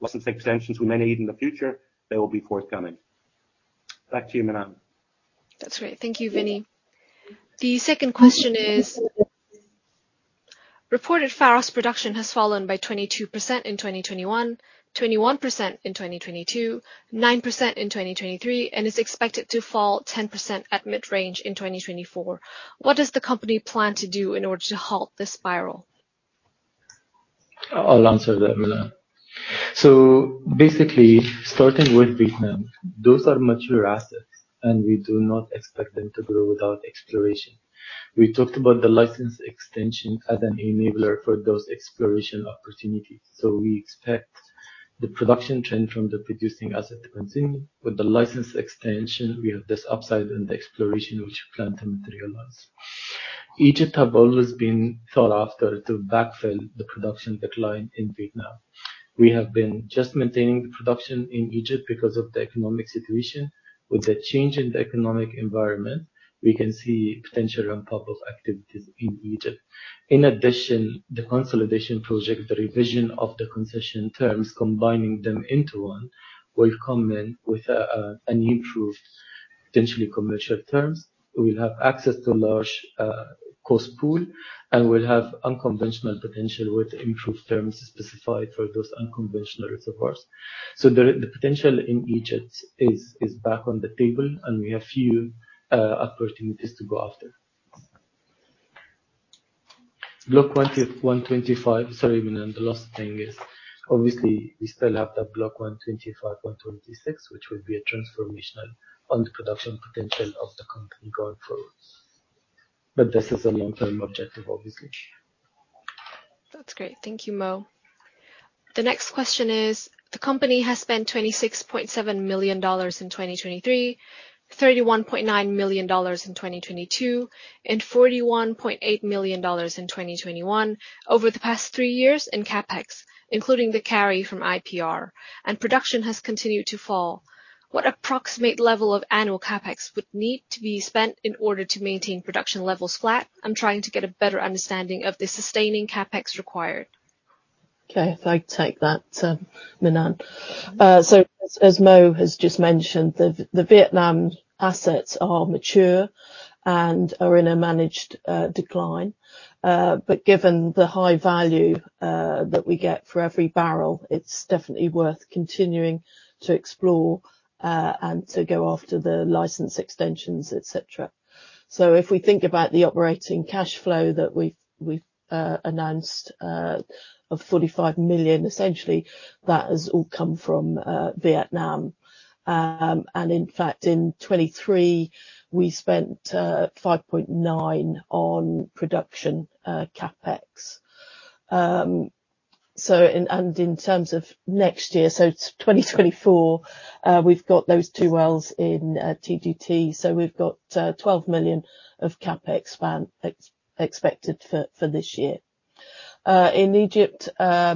license extensions we may need in the future, they will be forthcoming. Back to you, Minh Anh. That's great. Thank you, Vinny. The second question is, reported Pharos production has fallen by 22% in 2021, 21% in 2022, 9% in 2023, and is expected to fall 10% at mid-range in 2024. What does the company plan to do in order to halt this spiral? I'll answer that, Minh Anh. So basically, starting with Vietnam, those are mature assets, and we do not expect them to grow without exploration. We talked about the license extension as an enabler for those exploration opportunities. So we expect the production trend from the producing asset to continue. With the license extension, we have this upside in the exploration which we plan to materialize. Egypt has always been sought after to backfill the production decline in Vietnam. We have been just maintaining the production in Egypt because of the economic situation. With the change in the economic environment, we can see potential ramp-up of activities in Egypt. In addition, the consolidation project, the revision of the concession terms, combining them into one, will come in with an improved, potentially commercial terms. We'll have access to large gas pool, and we'll have unconventional potential with improved terms specified for those unconventional reservoirs. So the potential in Egypt is back on the table, and we have a few opportunities to go after. Blocks 125. Sorry, Minh-Anh, the last thing is, obviously, we still have that Blocks 125 & 126, which would be a transformational on the production potential of the company going forward. But this is a long-term objective, obviously. That's great. Thank you, Mo. The next question is, the company has spent $26.7 million in 2023, $31.9 million in 2022, and $41.8 million in 2021 over the past three years in CAPEX, including the carry from IPR, and production has continued to fall. What approximate level of annual CAPEX would need to be spent in order to maintain production levels flat? I'm trying to get a better understanding of the sustaining CAPEX required. Okay. So I take that, Minh-Anh. So as Mo has just mentioned, the Vietnam assets are mature and are in a managed decline.but given the high value that we get for every barrel, it's definitely worth continuing to explore, and to go after the license extensions, etc. So if we think about the operating cash flow that we've announced of $45 million, essentially, that has all come from Vietnam. And in fact, in 2023, we spent $5.9 million on production CAPEX. So in terms of next year, so 2024, we've got those two wells in TGT. So we've got $12 million of CAPEX spend expected for this year. In Egypt, we're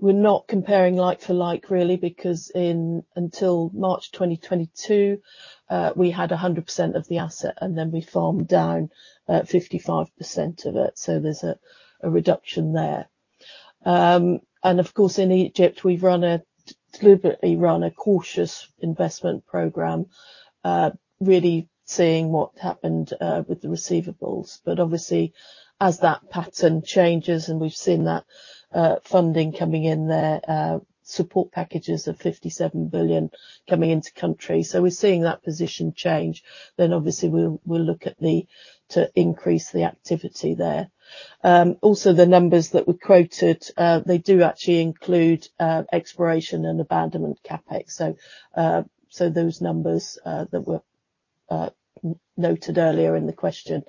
not comparing like for like, really, because until March 2022, we had 100% of the asset, and then we farmed down 55% of it. So there's a reduction there. And of course, in Egypt, we've deliberately run a cautious investment program, really seeing what happened with the receivables. But obviously, as that pattern changes, and we've seen that, funding coming in there, support packages of $57 billion coming into country. So we're seeing that position change. Then obviously, we'll look to increase the activity there. Also, the numbers that were quoted, they do actually include exploration and abandonment CAPEX. So those numbers that were noted earlier in the question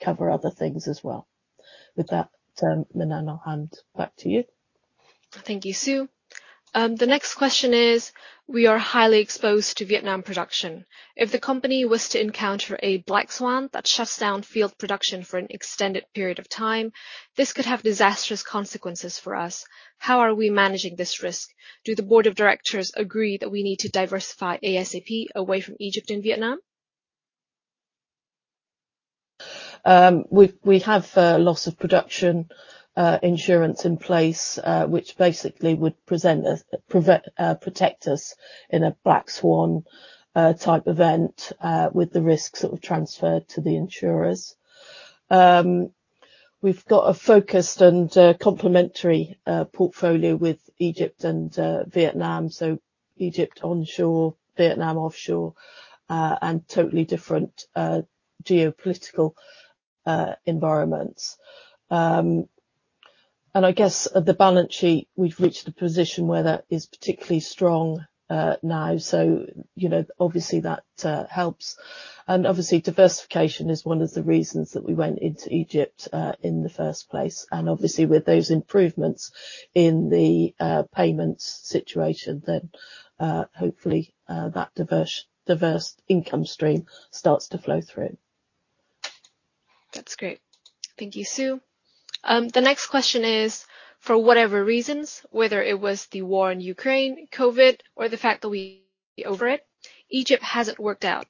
cover other things as well. With that, Minh-Anh, I'll hand back to you. Thank you, Sue. The next question is, we are highly exposed to Vietnam production. If the company was to encounter a black swan that shuts down field production for an extended period of time, this could have disastrous consequences for us. How are we managing this risk? Do the board of directors agree that we need to diversify ASAP away from Egypt and Vietnam? We have loss of production insurance in place, which basically would protect us in a black swan type event, with the risks sort of transferred to the insurers. We've got a focused and complementary portfolio with Egypt and Vietnam, so Egypt onshore, Vietnam offshore, and totally different geopolitical environments. And I guess at the balance sheet, we've reached a position where that is particularly strong now. So, you know, obviously, that helps. And obviously, diversification is one of the reasons that we went into Egypt in the first place. And obviously, with those improvements in the payments situation, then hopefully that diverse income stream starts to flow through. That's great. Thank you, Sue. The next question is, for whatever reasons, whether it was the war in Ukraine, COVID, or the fact that we overpaid for it, Egypt hasn't worked out.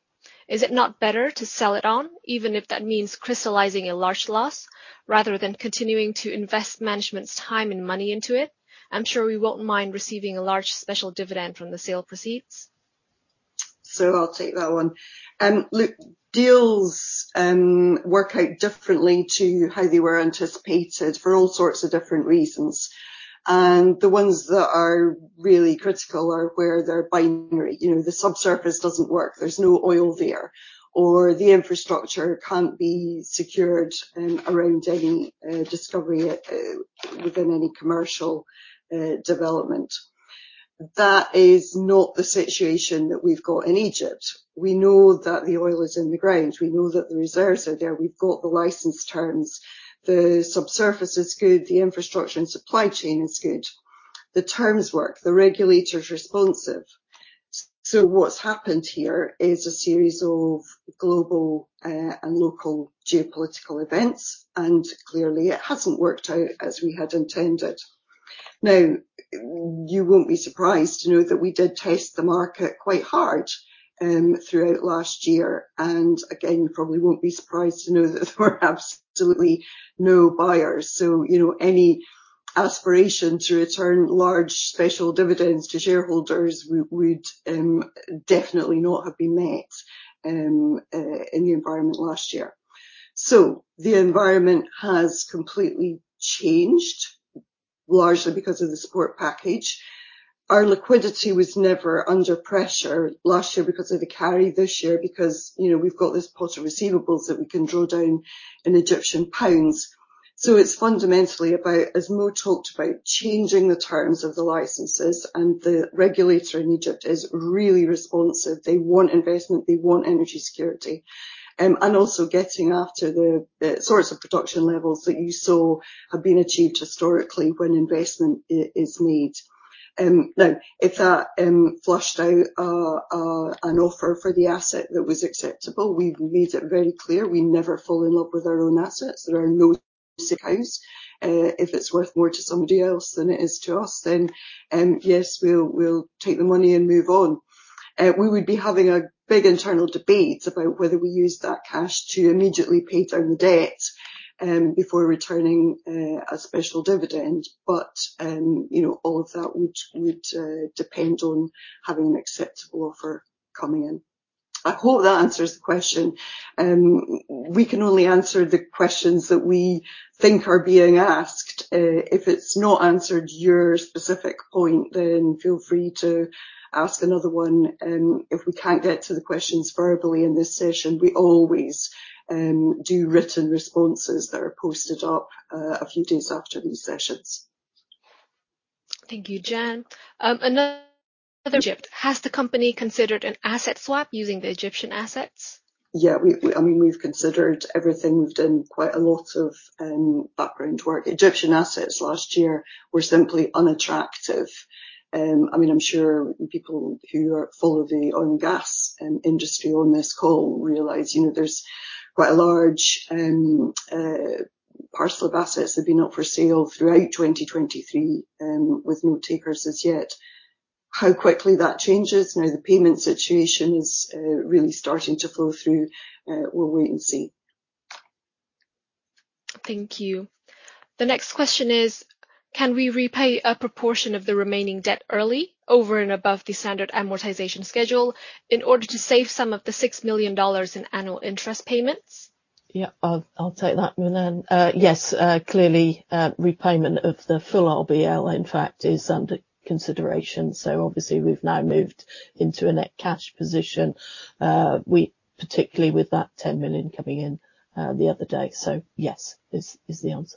Is it not better to sell it on, even if that means crystallizing a large loss, rather than continuing to invest management's time and money into it? I'm sure we won't mind receiving a large special dividend from the sale proceeds. So I'll take that one. Look, deals work out differently to how they were anticipated for all sorts of different reasons. The ones that are really critical are where they're binary. You know, the subsurface doesn't work. There's no oil there. Or the infrastructure can't be secured around any discovery within any commercial development. That is not the situation that we've got in Egypt. We know that the oil is in the ground. We know that the reserves are there. We've got the license terms. The subsurface is good. The infrastructure and supply chain is good. The terms work. The regulator's responsive. So what's happened here is a series of global and local geopolitical events, and clearly, it hasn't worked out as we had intended. Now, you won't be surprised to know that we did test the market quite hard, throughout last year. And again, you probably won't be surprised to know that there were absolutely no buyers. So, you know, any aspiration to return large special dividends to shareholders would, definitely not have been met, in the environment last year. So the environment has completely changed, largely because of the support package. Our liquidity was never under pressure last year because of the carry, this year because, you know, we've got this pot of receivables that we can draw down in Egyptian pounds. So it's fundamentally about, as Mo talked about, changing the terms of the licenses, and the regulator in Egypt is really responsive. They want investment. They want energy security and also getting after the sorts of production levels that you saw have been achieved historically when investment is made. Now, if that fleshed out an offer for the asset that was acceptable, we've made it very clear we never fall in love with our own assets. There are no sacred cows. If it's worth more to somebody else than it is to us, then, yes, we'll take the money and move on. We would be having a big internal debate about whether we use that cash to immediately pay down the debt before returning a special dividend. But, you know, all of that would depend on having an acceptable offer coming in. I hope that answers the question. We can only answer the questions that we think are being asked. If it's not answered your specific point, then feel free to ask another one. If we can't get to the questions verbally in this session, we always do written responses that are posted up a few days after these sessions. Thank you, Jann. Another. Egypt. Has the company considered an asset swap using the Egyptian assets? Yeah. We, I mean, we've considered everything. We've done quite a lot of background work. Egyptian assets last year were simply unattractive. I mean, I'm sure people who follow the oil and gas industry on this call realize, you know, there's quite a large parcel of assets that have been up for sale throughout 2023, with no takers as yet. How quickly that changes. Now, the payment situation is really starting to flow through. We'll wait and see. Thank you. The next question is, can we repay a proportion of the remaining debt early, over and above the standard amortization schedule, in order to save some of the $6 million in annual interest payments? Yeah. I'll, I'll take that, Minh-Anh. Yes. Clearly, repayment of the full RBL, in fact, is under consideration. So obviously, we've now moved into a net cash position. We particularly with that $10 million coming in, the other day. So yes, is, is the answer.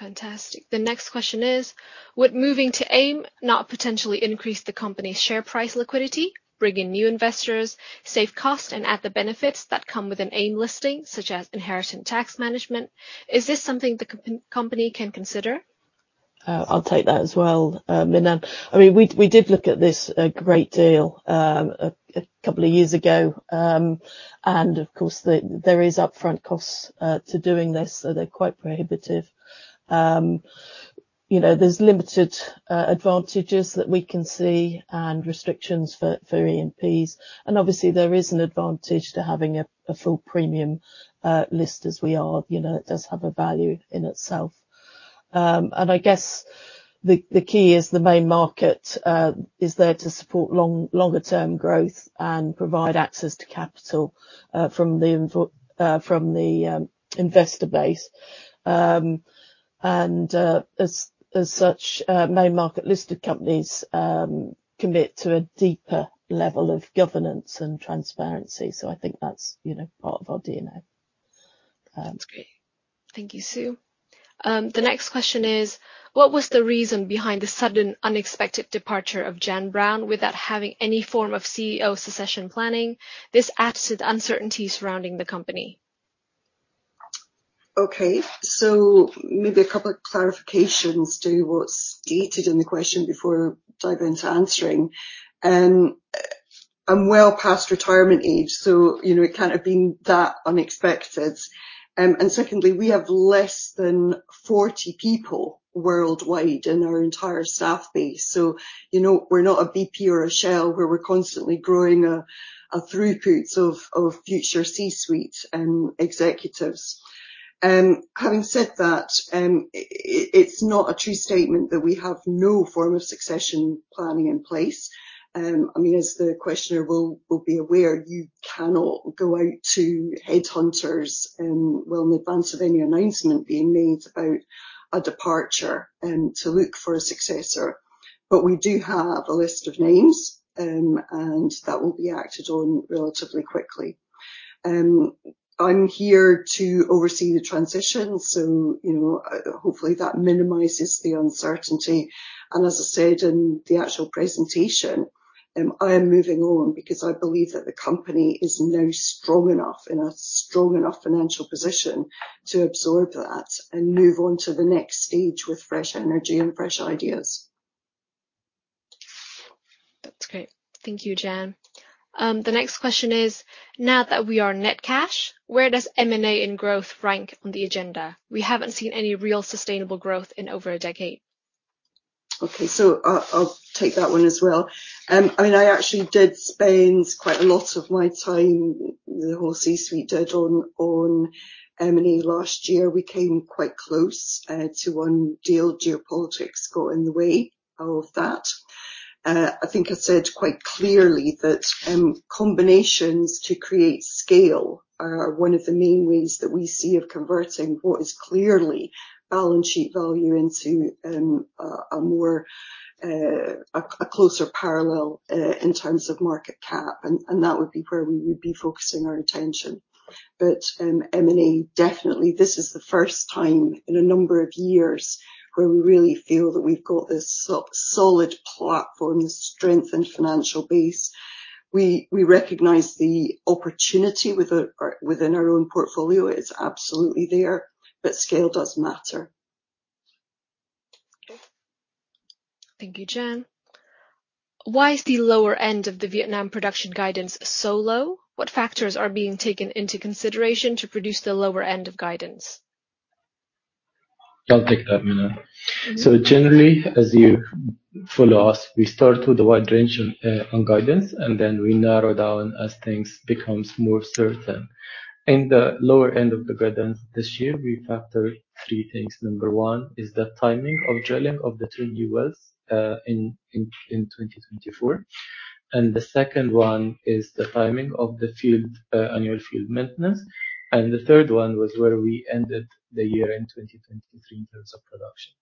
Fantastic. The next question is, would moving to AIM not potentially increase the company's share price liquidity, bring in new investors, save cost, and add the benefits that come with an AIM listing, such as inheritance tax management? Is this something the company can consider? I'll take that as well, Minh-Anh. I mean, we, we did look at this a great deal, a couple of years ago. Of course, there are upfront costs to doing this, so they're quite prohibitive. You know, there's limited advantages that we can see and restrictions for E&Ps. And obviously, there is an advantage to having a full premium list as we are. You know, it does have a value in itself. And I guess the key is the main market is there to support longer-term growth and provide access to capital from the investor base. And, as such, main market listed companies commit to a deeper level of governance and transparency. So I think that's, you know, part of our DNA. That's great. Thank you, Sue. The next question is, what was the reason behind the sudden, unexpected departure of Jann Brown without having any form of CEO succession planning? This adds to the uncertainty surrounding the company. Okay. So maybe a couple of clarifications to what's dated in the question before diving into answering. I'm well past retirement age, so, you know, it can't have been that unexpected. And secondly, we have less than 40 people worldwide in our entire staff base. So, you know, we're not a BP or a Shell where we're constantly growing a throughput of future C-suite executives. Having said that, it's not a true statement that we have no form of succession planning in place. I mean, as the questioner will be aware, you cannot go out to headhunters well in advance of any announcement being made about a departure to look for a successor. But we do have a list of names, and that will be acted on relatively quickly. I'm here to oversee the transition. So, you know, hopefully, that minimizes the uncertainty. As I said in the actual presentation, I am moving on because I believe that the company is now strong enough in a strong enough financial position to absorb that and move on to the next stage with fresh energy and fresh ideas. That's great. Thank you, Jann. The next question is, now that we are net cash, where does M&A and growth rank on the agenda? We haven't seen any real sustainable growth in over a decade. Okay. I'll, I'll take that one as well. I mean, I actually did spend quite a lot of my time, the whole C-suite did, on, on M&A last year. We came quite close, to one deal. Geopolitics got in the way of that. I think I said quite clearly that combinations to create scale are one of the main ways that we see of converting what is clearly balance sheet value into a more a closer parallel in terms of market cap. And that would be where we would be focusing our attention. But M&A definitely this is the first time in a number of years where we really feel that we've got this so-so solid platform, the strength and financial base. We recognise the opportunity within our own portfolio. It's absolutely there. But scale does matter. Okay. Thank you, Jann. Why is the lower end of the Vietnam production guidance so low? What factors are being taken into consideration to produce the lower end of guidance? I'll take that, Minh-Anh. So generally, as you fully asked, we start with a wide range on guidance, and then we narrow down as things become more certain. In the lower end of the guidance this year, we factor three things. Number one is the timing of drilling of the two new wells in 2024. And the second one is the timing of the field annual field maintenance. And the third one was where we ended the year in 2023 in terms of production.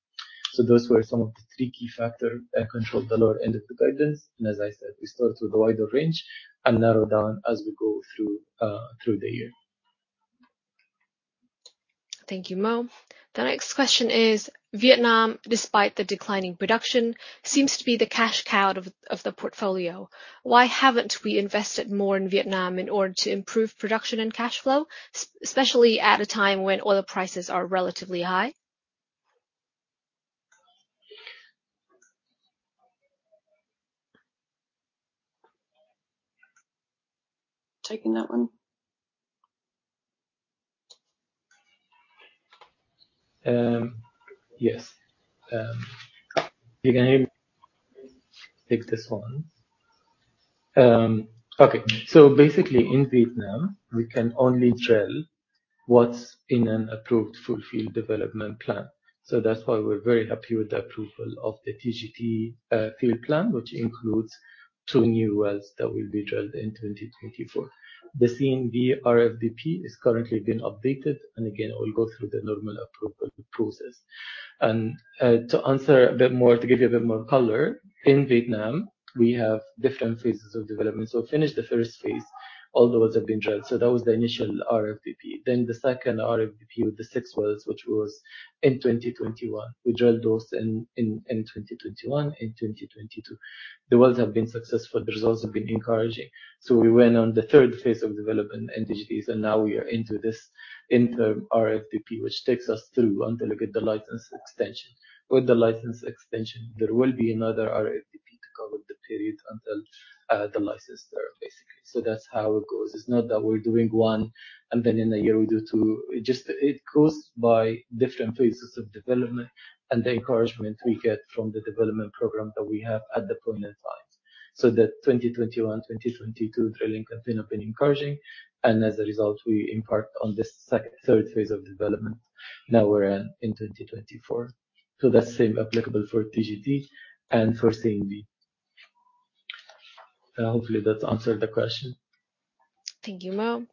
So those were some of the three key factors, controlled the lower end of the guidance. And as I said, we start with a wider range and narrow down as we go through the year. Thank you, Mo. The next question is, Vietnam, despite the declining production, seems to be the cash cow of the portfolio. Why haven't we invested more in Vietnam in order to improve production and cash flow, especially at a time when oil prices are relatively high? Taking that one. Yes. You can hear me? Take this one. Okay. So basically, in Vietnam, we can only drill what's in an approved full field development plan. So that's why we're very happy with the approval of the TGT field plan, which includes two new wells that will be drilled in 2024. The CNV RFDP is currently being updated. And again, it will go through the normal approval process. And, to answer a bit more, to give you a bit more color, in Vietnam, we have different phases of development. So we finished the first phase. All the wells have been drilled. So that was the initial RFDP. Then the second RFDP with the six wells, which was in 2021. We drilled those in 2021, in 2022. The wells have been successful. The results have been encouraging. So we went on the third phase of development NDGs, and now we are into this interim RFDP, which takes us through until we get the license extension. With the license extension, there will be another RFDP to cover the period until the license term, basically. So that's how it goes. It's not that we're doing one, and then in a year, we do two. It just goes by different phases of development and the encouragement we get from the development program that we have at the point in time. So the 2021, 2022 drilling has been encouraging. And as a result, we embarked on this second third phase of development. Now we're in 2024. So that's the same applicable for TGT and for CNV. Hopefully, that answered the question. Thank you, Mo.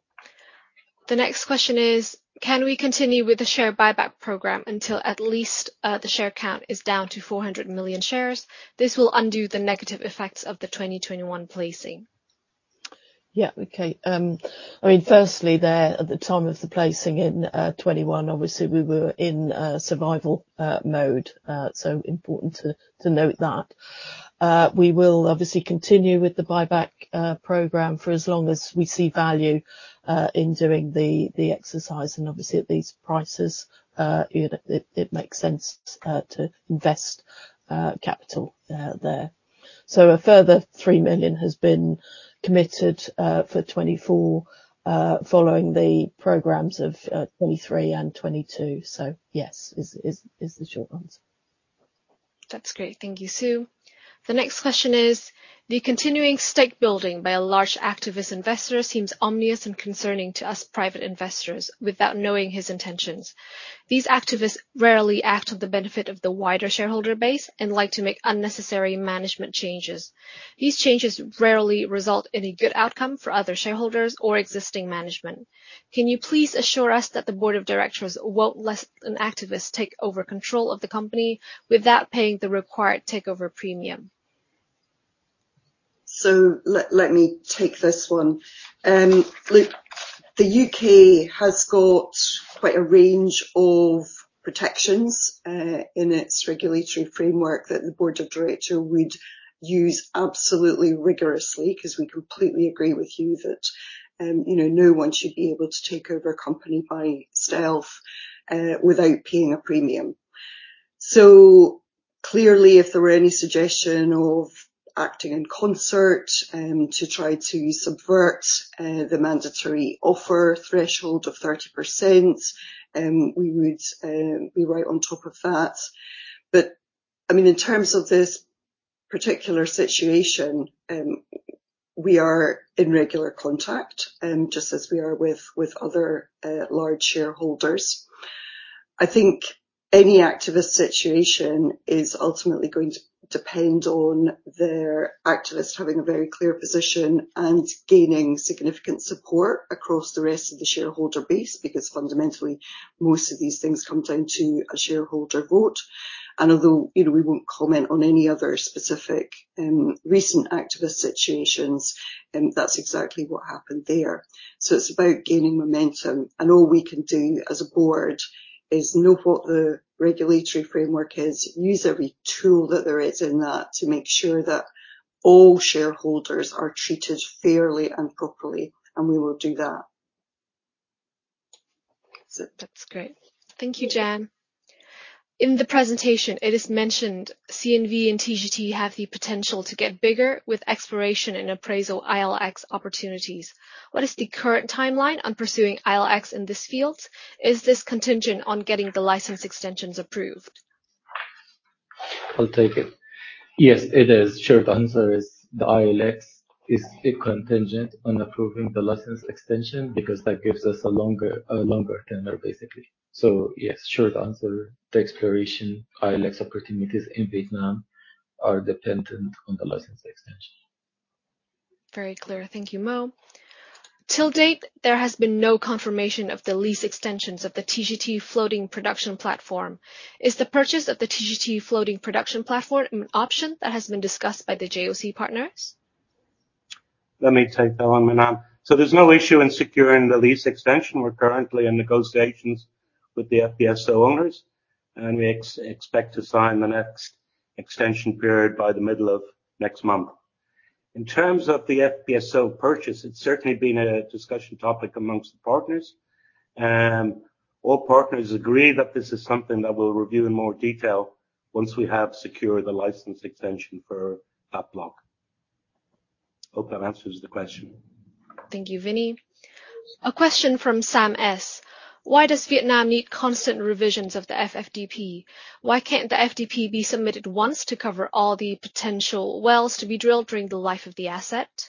The next question is, can we continue with the share buyback program until at least the share count is down to 400 million shares? This will undo the negative effects of the 2021 placing. Yeah. Okay. I mean, firstly, at the time of the placing in 2021, obviously, we were in survival mode. So important to note that. We will obviously continue with the buyback program for as long as we see value in doing the exercise. And obviously, at these prices, you know, it makes sense to invest capital there. So a further 3 million has been committed for 2024, following the programs of 2023 and 2022. So yes, is the short answer. That's great. Thank you, Sue. The next question is, the continuing stake-building by a large activist investor seems ominous and concerning to us private investors without knowing his intentions. These activists rarely act to the benefit of the wider shareholder base and like to make unnecessary management changes. These changes rarely result in a good outcome for other shareholders or existing management. Can you please assure us that the board of directors won't let an activist take over control of the company without paying the required takeover premium? So let me take this one. Look, the U.K. has got quite a range of protections in its regulatory framework that the board of directors would use absolutely rigorously. 'Cause we completely agree with you that, you know, no one should be able to take over a company by stealth, without paying a premium. So clearly, if there were any suggestion of acting in concert to try to subvert the mandatory offer threshold of 30%, we would be right on top of that. But I mean, in terms of this particular situation, we are in regular contact, just as we are with other large shareholders. I think any activist situation is ultimately going to depend on their activist having a very clear position and gaining significant support across the rest of the shareholder base because fundamentally, most of these things come down to a shareholder vote. And although, you know, we won't comment on any other specific recent activist situations, that's exactly what happened there. So it's about gaining momentum. All we can do as a board is know what the regulatory framework is, use every tool that there is in that to make sure that all shareholders are treated fairly and properly. And we will do that. So that's great. Thank you, Jann. In the presentation, it is mentioned CNV and TGT have the potential to get bigger with exploration and appraisal ILX opportunities. What is the current timeline on pursuing ILX in this field? Is this contingent on getting the license extensions approved? I'll take it. Yes, it is. Sure. The answer is the ILX is a contingent on approving the license extension because that gives us a longer a longer tenure, basically. So yes, sure. The answer, the exploration ILX opportunities in Vietnam are dependent on the license extension. Very clear. Thank you, Mo. To date, there has been no confirmation of the lease extensions of the TGT floating production platform. Is the purchase of the TGT floating production platform an option that has been discussed by the JOC partners? Let me take that one, Minh-Anh. So there's no issue in securing the lease extension. We're currently in negotiations with the FPSO owners. We expect to sign the next extension period by the middle of next month. In terms of the FPSO purchase, it's certainly been a discussion topic among the partners. All partners agree that this is something that we'll review in more detail once we have secured the license extension for that block. Hope that answers the question. Thank you, Vinny. A question from Sam S. Why does Vietnam need constant revisions of the FFDP? Why can't the FDP be submitted once to cover all the potential wells to be drilled during the life of the asset?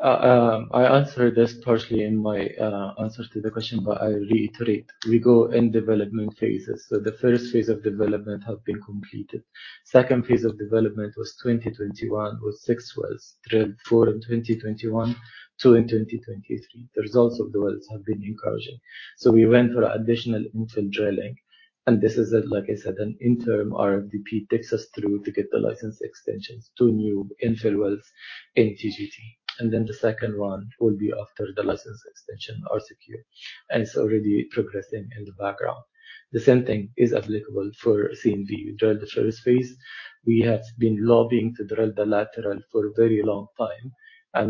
I answered this partially in my answer to the question, but I'll reiterate. We go in development phases. So the first phase of development has been completed. Second phase of development was 2021 with 6 wells drilled, 4 in 2021, 2 in 2023. The results of the wells have been encouraging. So we went for additional infill drilling. And this is, like I said, an interim RFDP takes us through to get the license extensions, 2 new infill wells in TGT. And then the second one will be after the license extension are secured. And it's already progressing in the background. The same thing is applicable for CNV. We drilled the first phase. We have been lobbying to drill the lateral for a very long time.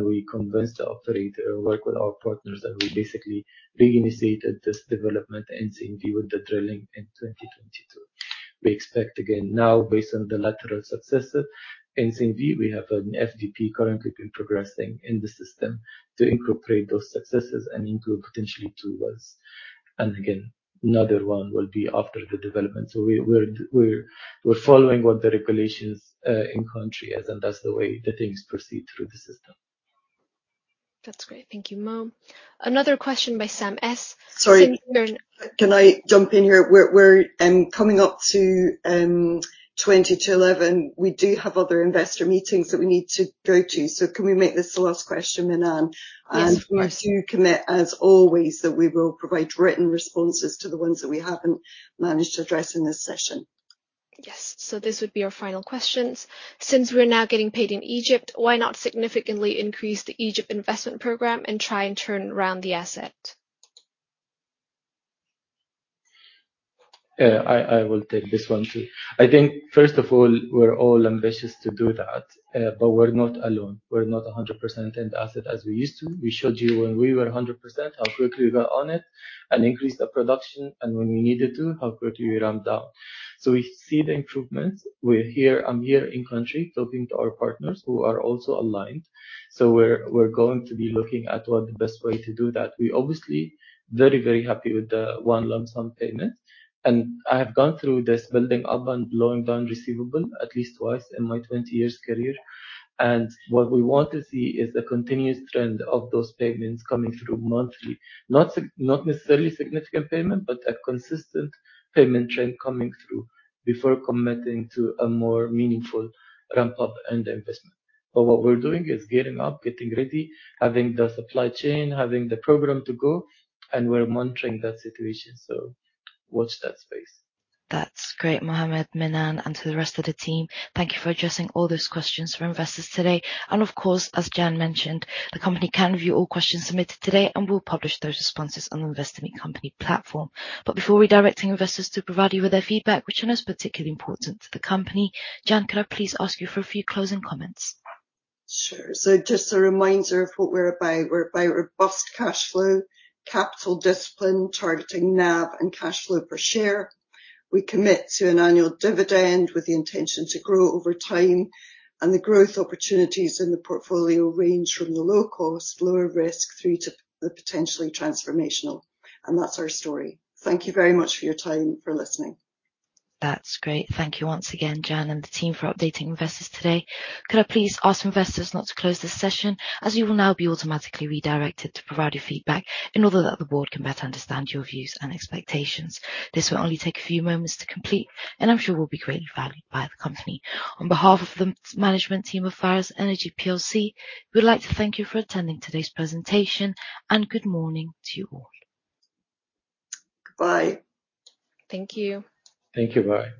We convinced the operator, worked with our partners, that we basically reinitiated this development in CNV with the drilling in 2022. We expect, again, now, based on the lateral successes in CNV, we have an FDP currently been progressing in the system to incorporate those successes and include potentially two wells. And again, another one will be after the development. So we're following what the regulations in country is, and that's the way the things proceed through the system. That's great. Thank you, Mo. Another question by Sam S. Sorry. Can I jump in here? We're coming up to 10:40 A.M. We do have other investor meetings that we need to go to. So can we make this the last question, Minh-Anh? Yes. I do commit, as always, that we will provide written responses to the ones that we haven't managed to address in this session. Yes. So this would be our final questions. Since we're now getting paid in Egypt, why not significantly increase the Egypt investment program and try and turn around the asset? I, I will take this one too. I think, first of all, we're all ambitious to do that, but we're not alone. We're not 100% in the asset as we used to. We showed you when we were 100% how quickly we got on it and increased our production, and when we needed to, how quickly we ramped down. So we see the improvements. We're here. I'm here in country talking to our partners who are also aligned. So we're, we're going to be looking at what the best way to do that. We're obviously very, very happy with the one lump sum payment. I have gone through this building up and blowing down receivable at least twice in my 20 years' career. What we want to see is a continuous trend of those payments coming through monthly, not necessarily significant payment, but a consistent payment trend coming through before committing to a more meaningful ramp-up and investment. But what we're doing is gearing up, getting ready, having the supply chain, having the program to go, and we're monitoring that situation. So watch that space. That's great, Mohamed, Minh-Anh, and to the rest of the team, thank you for addressing all those questions for investors today. Of course, as Jann mentioned, the company can view all questions submitted today, and we'll publish those responses on the Investor Meet Company platform. But before redirecting investors to provide you with their feedback, which I know is particularly important to the company, Jann, could I please ask you for a few closing comments? Sure. So just a reminder of what we're about. We're about robust cash flow, capital discipline, targeting NAV and cash flow per share. We commit to an annual dividend with the intention to grow over time. The growth opportunities in the portfolio range from the low cost, lower risk, through to the potentially transformational. That's our story. Thank you very much for your time for listening. That's great. Thank you once again, Jann and the team, for updating investors today. Could I please ask investors not to close this session as you will now be automatically redirected to provide your feedback in order that the board can better understand your views and expectations? This will only take a few moments to complete, and I'm sure will be greatly valued by the company. On behalf of the management team of Pharos Energy plc, we would like to thank you for attending today's presentation, and good morning to you all. Goodbye. Thank you. Thank you, bye.